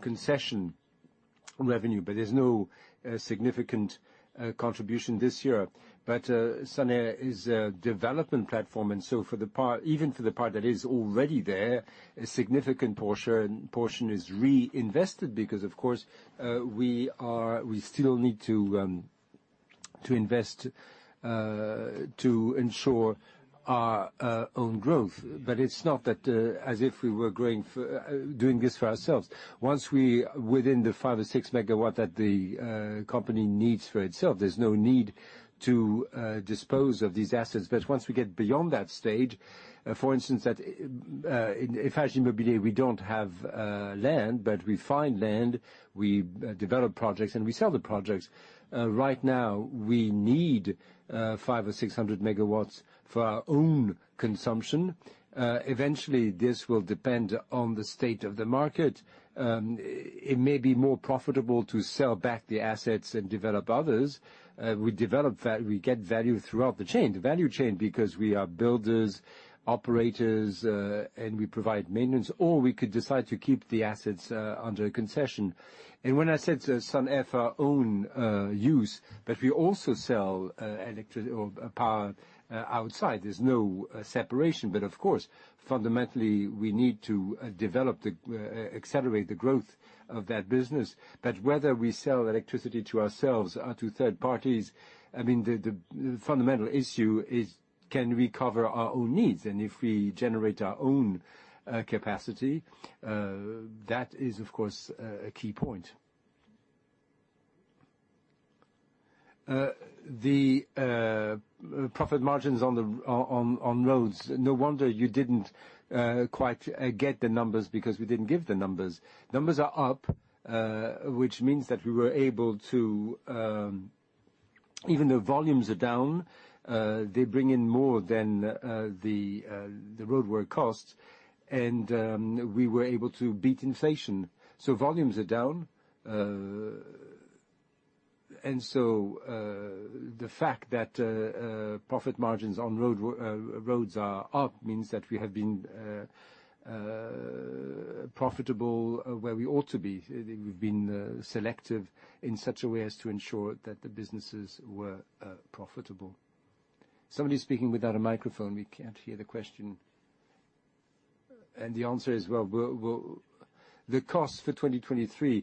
concession revenue, but there's no significant contribution this year. Sun'R is a development platform, for the part, even for the part that is already there, a significant portion is reinvested because, of course, we still need to. To invest to ensure our own growth. It's not that as if we were doing this for ourselves. Once we within the five or six megawatt that the company needs for itself, there's no need to dispose of these assets. Once we get beyond that stage, for instance, that in Eiffage Immobilier, we don't have land, but we find land, we develop projects, and we sell the projects. Right now, we need 500 or 600 MW for our own consumption. Eventually, this will depend on the state of the market. It may be more profitable to sell back the assets and develop others. We develop we get value throughout the chain, the value chain, because we are builders, operators, and we provide maintenance, or we could decide to keep the assets under a concession. When I said to Sun'R own use, but we also sell power outside. There's no separation. Of course, fundamentally, we need to develop the accelerate the growth of that business. Whether we sell electricity to ourselves or to third parties, I mean the fundamental issue is can we cover our own needs? If we generate our own capacity, that is, of course, a key point. The profit margins on roads. No wonder you didn't quite get the numbers because we didn't give the numbers. Numbers are up, which means that we were able to. Even though volumes are down, they bring in more than the roadwork costs. We were able to beat inflation. Volumes are down. The fact that profit margins on roads are up means that we have been profitable where we ought to be. We've been selective in such a way as to ensure that the businesses were profitable. Somebody's speaking without a microphone. We can't hear the question. The answer is, well, we'll. The cost for 2023,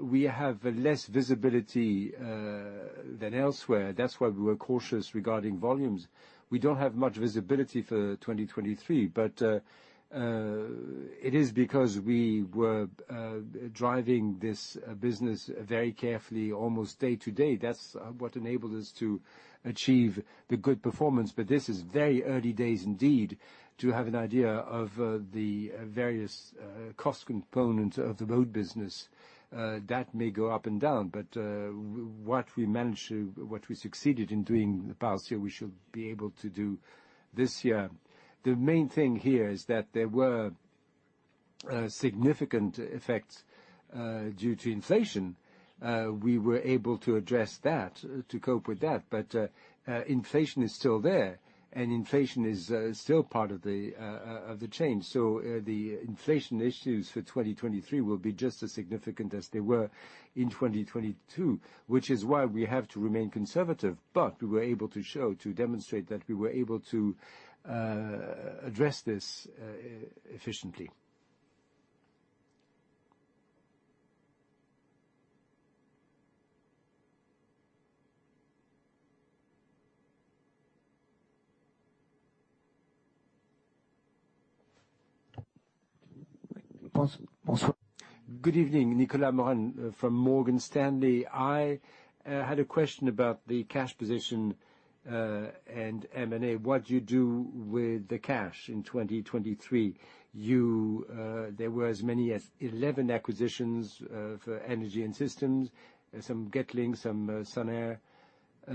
we have less visibility than elsewhere. That's why we were cautious regarding volumes. We don't have much visibility for 2023, it is because we were driving this business very carefully almost day to day. That's what enabled us to achieve the good performance. This is very early days indeed to have an idea of the various cost components of the road business that may go up and down. What we managed to, what we succeeded in doing the past year, we should be able to do this year. The main thing here is that there were significant effects due to inflation. We were able to address that, to cope with that, but inflation is still there, and inflation is still part of the change. The inflation issues for 2023 will be just as significant as they were in 2022, which is why we have to remain conservative. We were able to show, to demonstrate that we were able to address this efficiently. Good evening, Nicolas Mora from Morgan Stanley. I had a question about the cash position and M&A, what you do with the cash in 2023. You, there were as many as 11 acquisitions for energy and systems, some Getlinks, some Sun'R,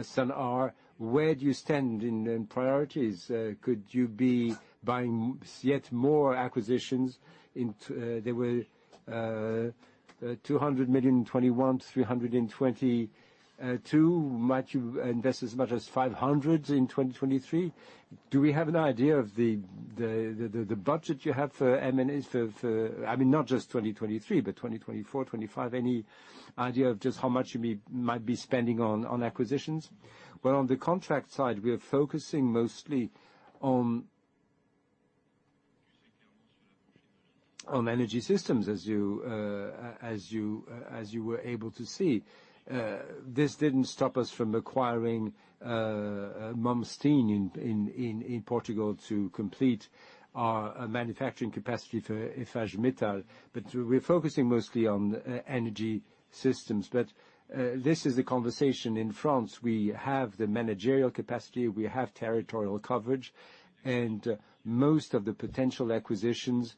Sun'R. Where do you stand in priorities? Could you be buying yet more acquisitions? There were 200 million in 2021, 300 million in 2022. Might you invest as much as 500 million in 2023? Do we have an idea of the budget you have for M&A for, I mean, not just 2023, but 2024, 2025? Any idea of just how much you might be spending on acquisitions? Well, on the contract side, we are focusing mostly on energy systems, as you were able to see. This didn't stop us from acquiring Momsteel in Portugal to complete our manufacturing capacity for Eiffage Métal. We're focusing mostly on energy systems. This is the conversation in France. We have the managerial capacity, we have territorial coverage, and most of the potential acquisitions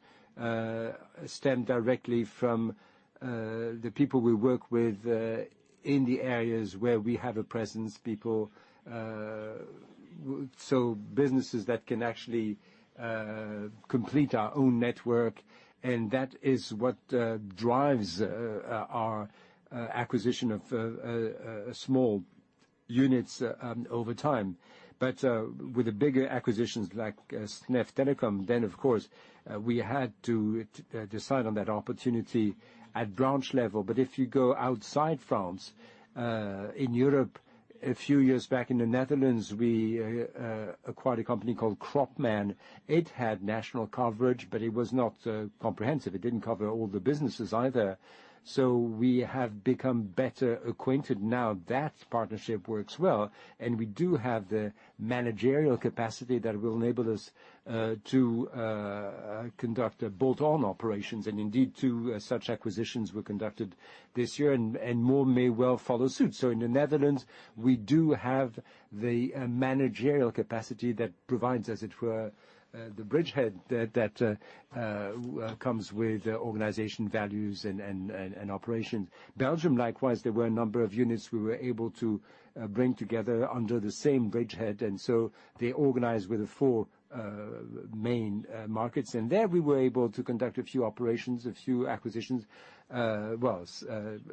stem directly from the people we work with in the areas where we have a presence, people. Businesses that can actually complete our own network, and that is what drives our acquisition of a small units over time. With the bigger acquisitions like SNEF Telecom, of course, we had to decide on that opportunity at branch level. If you go outside France, in Europe, a few years back in the Netherlands, we acquired a company called Kropman. It had national coverage, but it was not comprehensive. It didn't cover all the businesses either. We have become better acquainted now. That partnership works well, and we do have the managerial capacity that will enable us to conduct bolt-on operations. Indeed, two such acquisitions were conducted this year, and more may well follow suit. In the Netherlands, we do have the managerial capacity that provides, as it were, the bridgehead that comes with organization values and operations. Belgium, likewise, there were a number of units we were able to bring together under the same bridgehead, they organized with the four main markets. There, we were able to conduct a few operations, a few acquisitions, a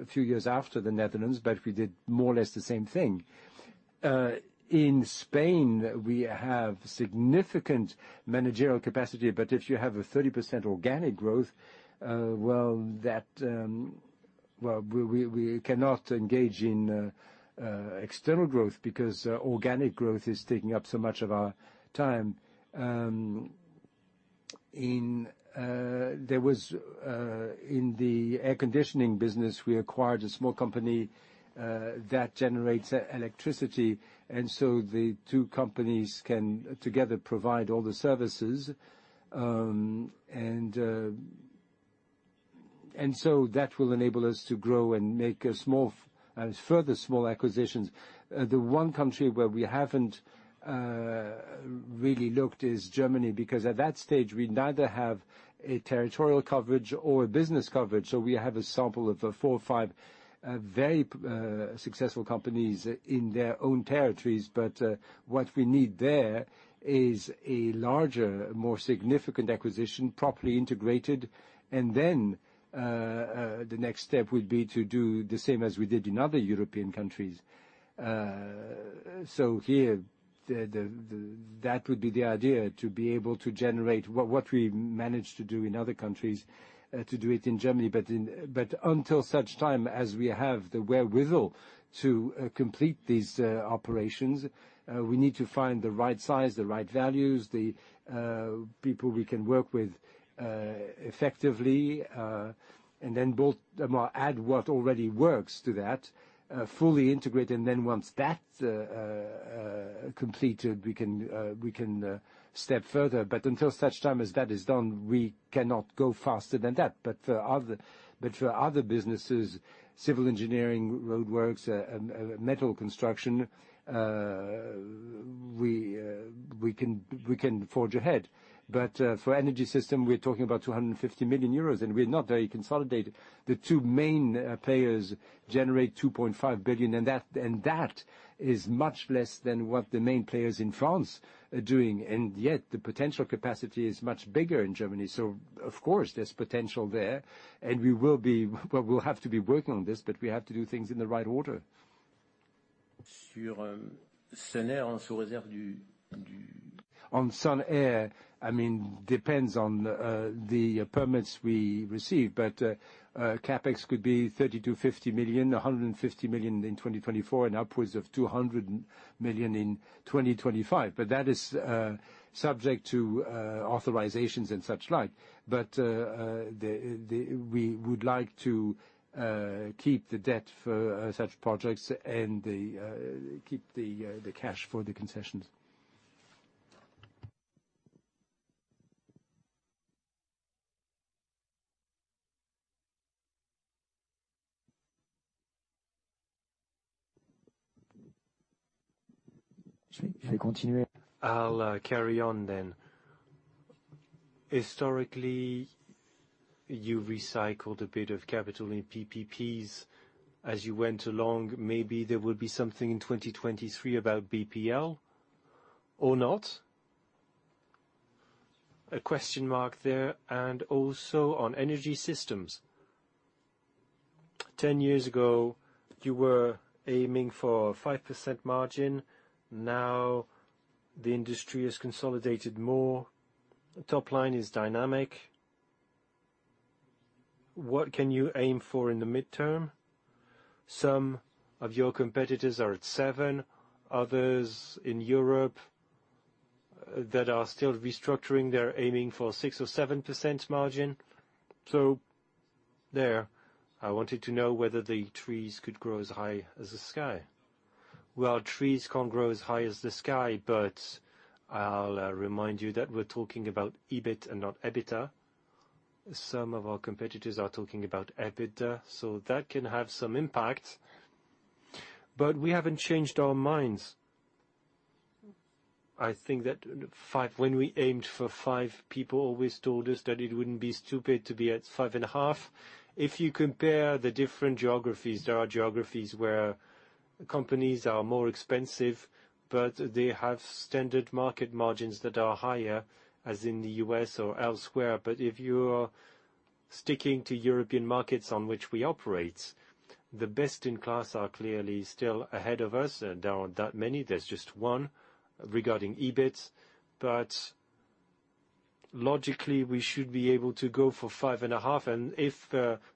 few years after the Netherlands, but we did more or less the same thing. In Spain, we have significant managerial capacity, but if you have a 30% organic growth, we cannot engage in external growth because organic growth is taking up so much of our time. In the air conditioning business, we acquired a small company that generates electricity, and so the two companies can together provide all the services. That will enable us to grow and make a small, further small acquisitions. The one country where we haven't really looked is Germany, because at that stage, we neither have a territorial coverage or business coverage, so we have a sample of four or five very successful companies in their own territories. What we need there is a larger, more significant acquisition, properly integrated. The next step would be to do the same as we did in other European countries. Here, that would be the idea, to be able to generate what we managed to do in other countries, to do it in Germany. Until such time as we have the wherewithal to complete these operations, we need to find the right size, the right values, the people we can work with effectively, and then well, add what already works to that, fully integrate, and then once that's completed, we can step further. Until such time as that is done, we cannot go faster than that. For other businesses, civil engineering, roadworks, metal construction, we can forge ahead. For Eiffage Énergie Systèmes, we're talking about 250 million euros, and we're not very consolidated. The two main players generate 2.5 billion, and that is much less than what the main players in France are doing. Yet, the potential capacity is much bigger in Germany. Of course, there's potential there, and Well, we'll have to be working on this, but we have to do things in the right order. Sur, Sun'R, en sous-réserve. On Sun'R, I mean, depends on the permits we receive, but CapEx could be 30 million-50 million, 150 million in 2024, and upwards of 200 million in 2025. That is subject to authorizations and such like. We would like to keep the debt for such projects and keep the cash for the concessions. Je continue. I'll carry on then. Historically, you recycled a bit of capital in PPPs as you went along. Maybe there will be something in 2023 about BPL or not. A question mark there. Also on Energy Systems, 10 years ago, you were aiming for a 5% margin. Now the industry has consolidated more. Top line is dynamic. What can you aim for in the midterm? Some of your competitors are at 7%. Others in Europe that are still restructuring, they're aiming for 6% or 7% margin. There, I wanted to know whether the trees could grow as high as the sky. Well, trees can't grow as high as the sky. I'll remind you that we're talking about EBIT and not EBITDA. Some of our competitors are talking about EBITDA, so that can have some impact. We haven't changed our minds. I think that 5%. When we aimed for 5%, people always told us that it wouldn't be stupid to be at 5.5%. If you compare the different geographies, there are geographies where companies are more expensive, but they have standard market margins that are higher, as in the U.S. or elsewhere. If you're sticking to European markets on which we operate, the best in class are clearly still ahead of us, and there aren't that many. There's just one regarding EBIT. Logically, we should be able to go for 5.5, and if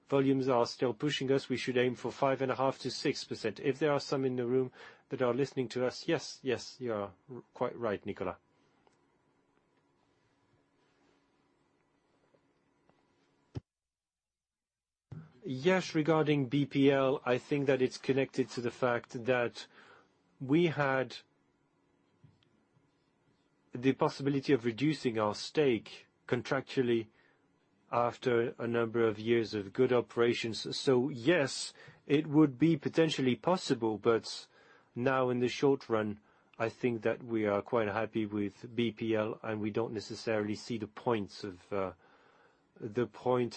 volumes are still pushing us, we should aim for 5.5%-6%. If there are some in the room that are listening to us. Yes, you are quite right, Nicola. Regarding BPL, I think that it's connected to the fact that we had the possibility of reducing our stake contractually after a number of years of good operations. Yes, it would be potentially possible, but now in the short run, I think that we are quite happy with BPL, and we don't necessarily see the point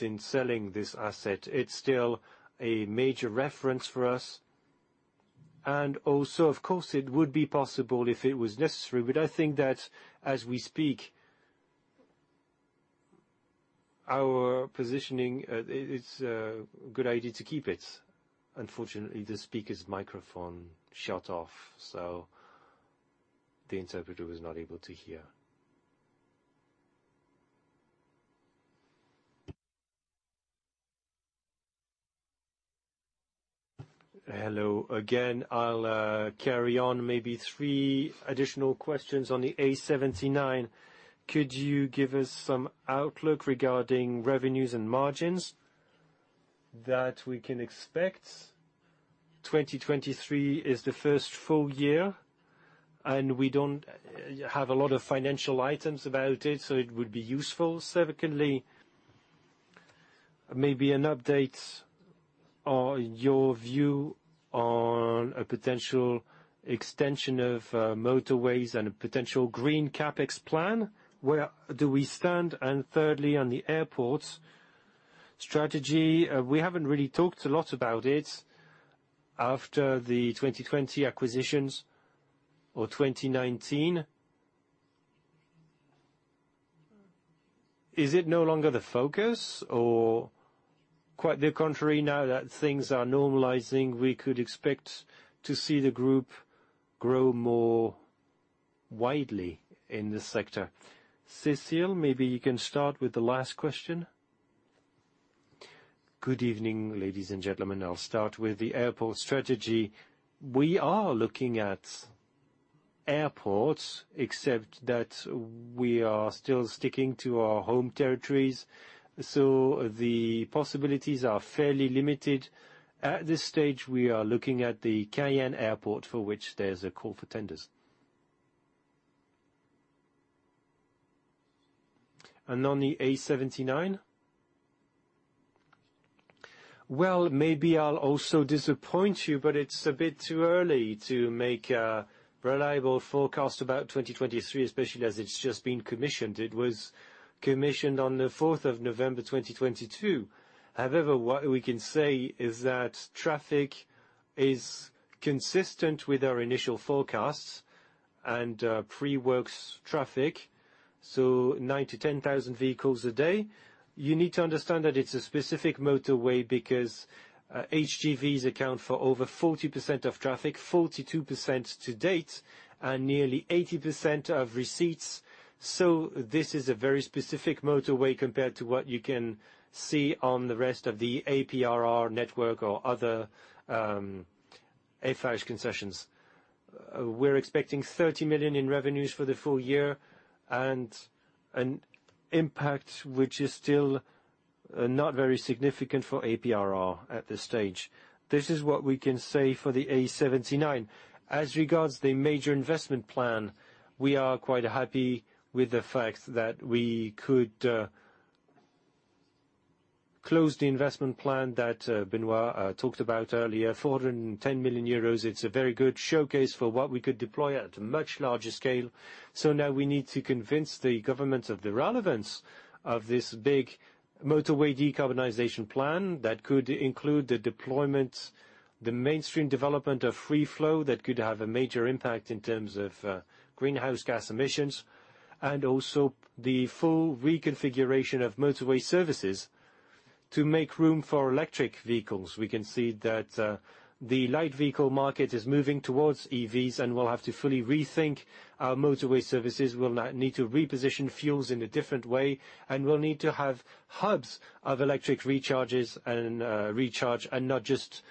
in selling this asset. It's still a major reference for us. Of course, it would be possible if it was necessary, but I think that as we speak, our positioning, it's a good idea to keep it. Unfortunately, the speaker's microphone shut off, so the interpreter was not able to hear. Hello again. I'll carry on maybe three additional questions on the A79. Could you give us some outlook regarding revenues and margins that we can expect? 2023 is the first full year, and we don't have a lot of financial items about it, so it would be useful. Secondly, maybe an update on your view on a potential extension of motorways and a potential green CapEx plan. Where do we stand? Thirdly, on the airport strategy, we haven't really talked a lot about it after the 2020 acquisitions or 2019. Is it no longer the focus or quite the contrary now that things are normalizing, we could expect to see the group grow more widely in this sector? Cécile, maybe you can start with the last question. Good evening, ladies and gentlemen. I'll start with the airport strategy. We are looking at airports, except that we are still sticking to our home territories, so the possibilities are fairly limited. At this stage, we are looking at the Cayenne Airport, for which there's a call for tenders. On the A79? Well, maybe I'll also disappoint you, but it's a bit too early to make a reliable forecast about 2023, especially as it's just been commissioned. It was commissioned on the November 4th, 2022. What we can say is that traffic is consistent with our initial forecasts and pre-works traffic, so 9,000-10,000 vehicles a day. You need to understand that it's a specific motorway because HGVs account for over 40% of traffic, 42% to date, and nearly 80% of receipts. This is a very specific motorway compared to what you can see on the rest of the APRR network or other AREA concessions. We're expecting 30 million in revenues for the full year and an impact which is still not very significant for APRR at this stage. This is what we can say for the A79. As regards the major investment plan, we are quite happy with the fact that we could close the investment plan that Benoît talked about earlier, 410 million euros. It's a very good showcase for what we could deploy at a much larger scale. Now we need to convince the government of the relevance of this big motorway decarbonization plan that could include the deployment, the mainstream development of free-flow that could have a major impact in terms of greenhouse gas emissions, and also the full reconfiguration of motorway services to make room for electric vehicles. We can see that the light vehicle market is moving towards EVs, and we'll have to fully rethink our motorway services. We'll now need to reposition fuels in a different way, and we'll need to have hubs of electric recharges and recharge and not just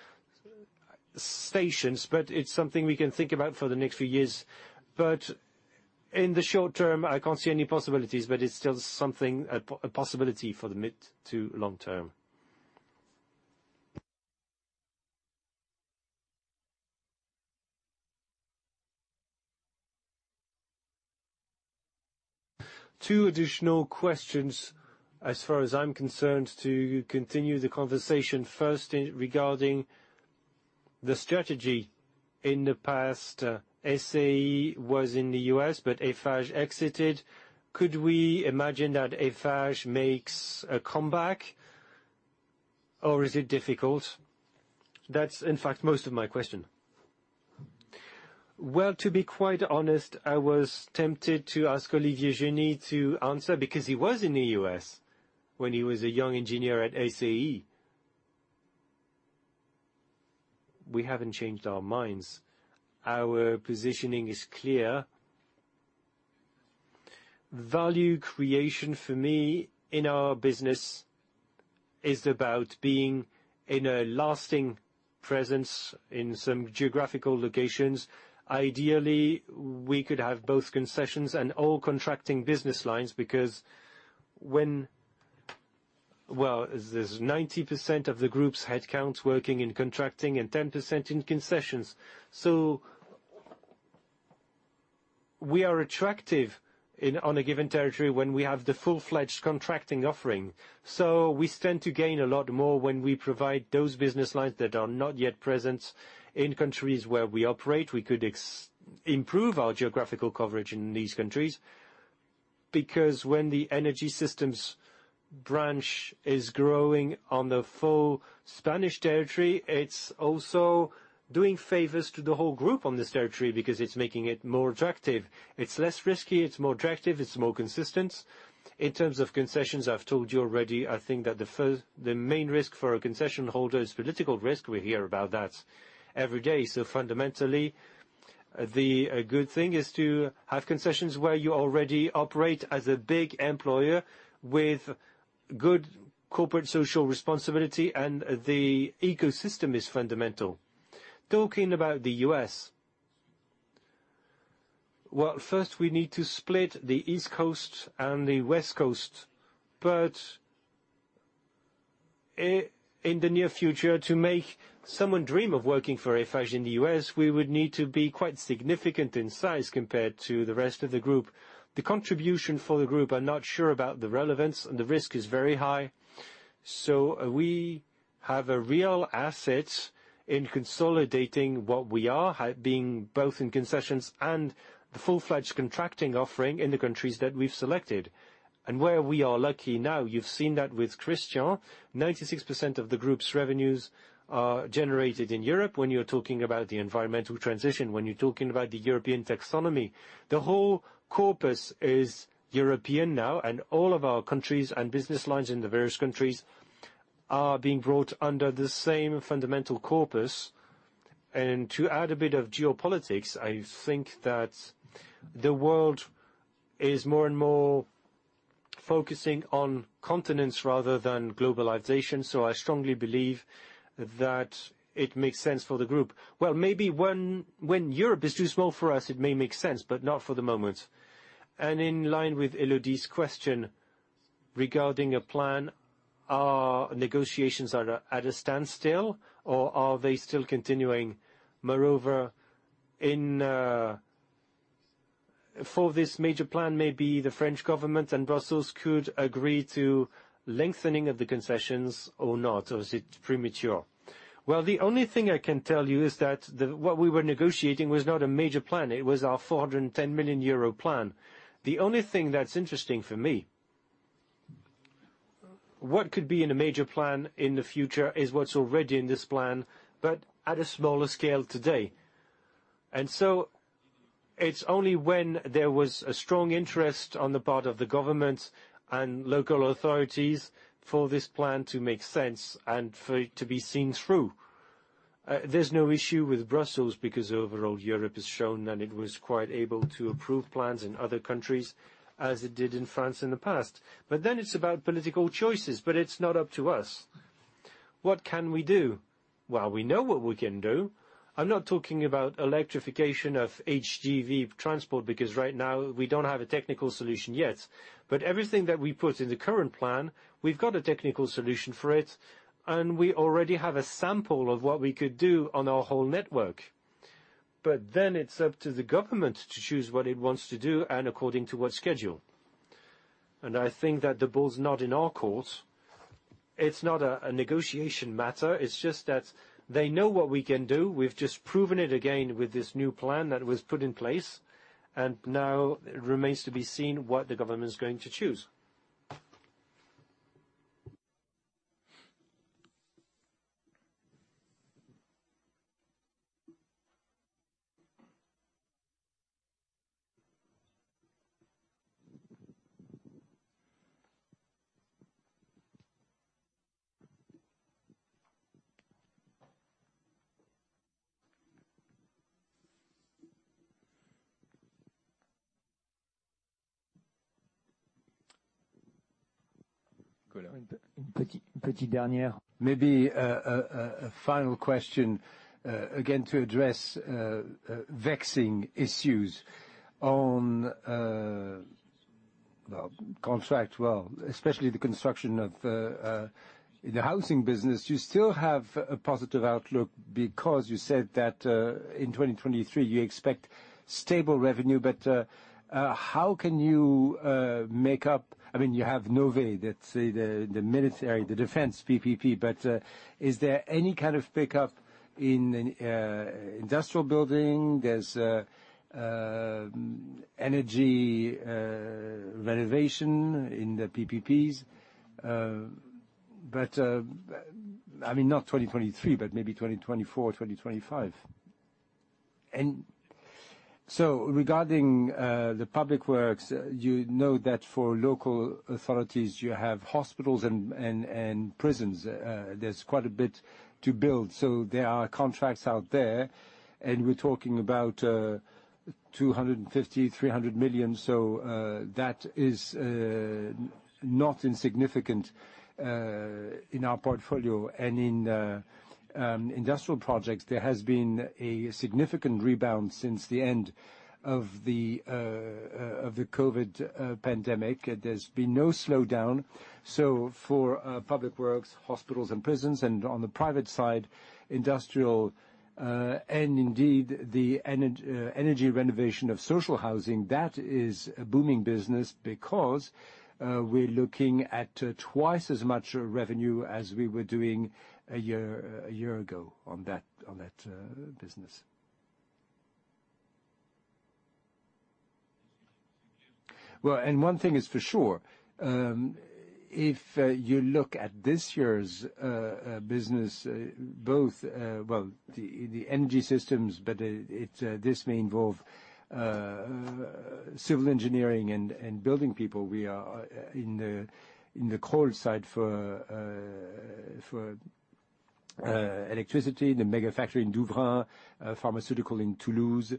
stations. It's something we can think about for the next few years. In the short term, I can't see any possibilities, but it's still something, a possibility for the mid to long term. Two additional questions as far as I'm concerned to continue the conversation. First, regarding the strategy. In the past, SAE was in the U.S., but Eiffage exited. Could we imagine that Eiffage makes a comeback, or is it difficult? That's, in fact, most of my question. To be quite honest, I was tempted to ask Olivier Berthelot to answer because he was in the U.S. when he was a young engineer at SAE. We haven't changed our minds. Our positioning is clear. Value creation for me in our business is about being in a lasting presence in some geographical locations. Ideally, we could have both concessions and all contracting business lines because when there's 90% of the group's headcounts working in contracting and 10% in concessions. We are attractive in, on a given territory when we have the full-fledged contracting offering. We stand to gain a lot more when we provide those business lines that are not yet present in countries where we operate. We could improve our geographical coverage in these countries, because when the Energy Systems branch is growing on the full Spanish territory, it's also doing favors to the whole group on this territory because it's making it more attractive. It's less risky, it's more attractive, it's more consistent. In terms of concessions, I've told you already, I think that the main risk for a concession holder is political risk. We hear about that every day. Fundamentally, the good thing is to have concessions where you already operate as a big employer with good corporate social responsibility, and the ecosystem is fundamental. Talking about the U.S., well, first we need to split the East Coast and the West Coast. In the near future, to make someone dream of working for Eiffage in the U.S., we would need to be quite significant in size compared to the rest of the group. The contribution for the group, I'm not sure about the relevance, and the risk is very high. We have a real asset in consolidating what we are, being both in concessions and the full-fledged contracting offering in the countries that we've selected. Where we are lucky now, you've seen that with Christian, 96% of the group's revenues are generated in Europe. When you're talking about the environmental transition, when you're talking about the European Taxonomy, the whole corpus is European now, and all of our countries and business lines in the various countries are being brought under the same fundamental corpus. To add a bit of geopolitics, I think that the world is more and more focusing on continents rather than globalization. I strongly believe that it makes sense for the group. Well, maybe when Europe is too small for us, it may make sense, but not for the moment. In line with Elodie's question regarding a plan, are negotiations at a standstill or are they still continuing? Moreover, in for this major plan, maybe the French Government and Brussels could agree to lengthening of the concessions or not, or is it premature? Well, the only thing I can tell you is that what we were negotiating was not a major plan. It was our 410 million euro plan. The only thing that's interesting for me, what could be in a major plan in the future is what's already in this plan, but at a smaller scale today. It's only when there was a strong interest on the part of the government and local authorities for this plan to make sense and for it to be seen through. There's no issue with Brussels, because overall, Europe has shown that it was quite able to approve plans in other countries as it did in France in the past. It's about political choices, but it's not up to us. What can we do? Well, we know what we can do. I'm not talking about electrification of HGV transport because right now we don't have a technical solution yet. Everything that we put in the current plan, we've got a technical solution for it, and we already have a sample of what we could do on our whole network. It's up to the government to choose what it wants to do and according to what schedule. I think that the ball's not in our court. It's not a negotiation matter. It's just that they know what we can do. We've just proven it again with this new plan that was put in place, now it remains to be seen what the government is going to choose. Maybe a final question, again to address vexing issues on contract, especially the construction of in the housing business, you still have a positive outlook because you said that in 2023, you expect stable revenue. How can you make up... I mean, you have Nové, that's the military, the defense PPP. Is there any kind of pickup in industrial building? There's energy renovation in the PPPs not 2023, but maybe 2024, 2025. Regarding the public works, you know that for local authorities, you have hospitals and prisons. There's quite a bit to build. There are contracts out there, and we're talking about 250 million-300 million. That is not insignificant in our portfolio. In industrial projects, there has been a significant rebound since the end of the COVID pandemic. There's been no slowdown. For public works, hospitals and prisons, and on the private side, industrial, and indeed the energy renovation of social housing, that is a booming business because we're looking at twice as much revenue as we were doing a year ago on that business. One thing is for sure, if you look at this year's business, both the energy systems, but this may involve civil engineering and building people. We are in the coal side for electricity, the mega factory in Douvrin, pharmaceutical in Toulouse.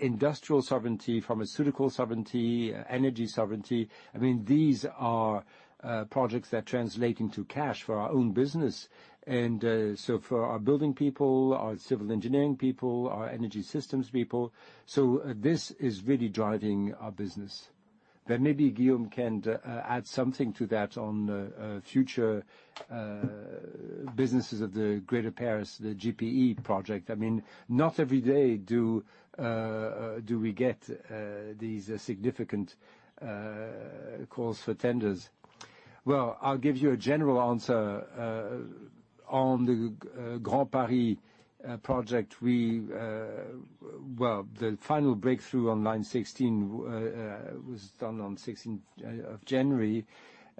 Industrial sovereignty, pharmaceutical sovereignty, energy sovereignty, I mean, these are projects that translate into cash for our own business. So for our building people, our civil engineering people, our energy systems people. This is really driving our business. Guillaume can add something to that on future businesses of the Greater Paris, the GPE project. I mean, not every day do we get these significant calls for tenders. I'll give you a general answer. On the Grand Paris Project, well, the final breakthrough on Line 16 was done on January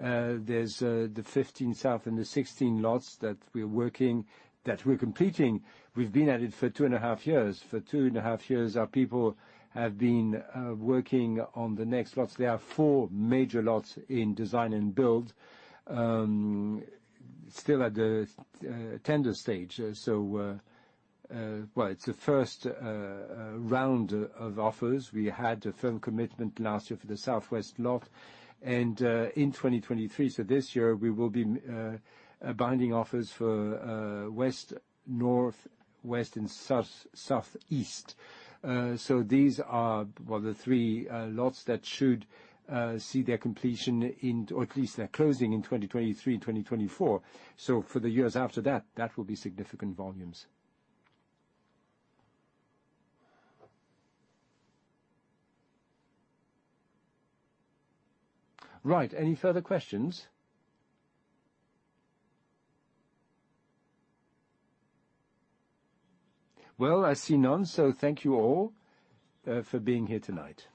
16th. There's the 15 south and the 16 lots that we're working, that we're completing. We've been at it for two and a half years. For two and a half years, our people have been working on the next lots. There are four major lots in design and build, still at the tender stage. Well, it's the first round of offers. We had a firm commitment last year for the southwest lot. In 2023, so this year, we will be binding offers for west, northwest and south-southeast. These are, well, the three, lots that should, see their completion in or at least their closing in 2023 and 2024. For the years after that will be significant volumes. Right. Any further questions? Well, I see none, so thank you all, for being here tonight.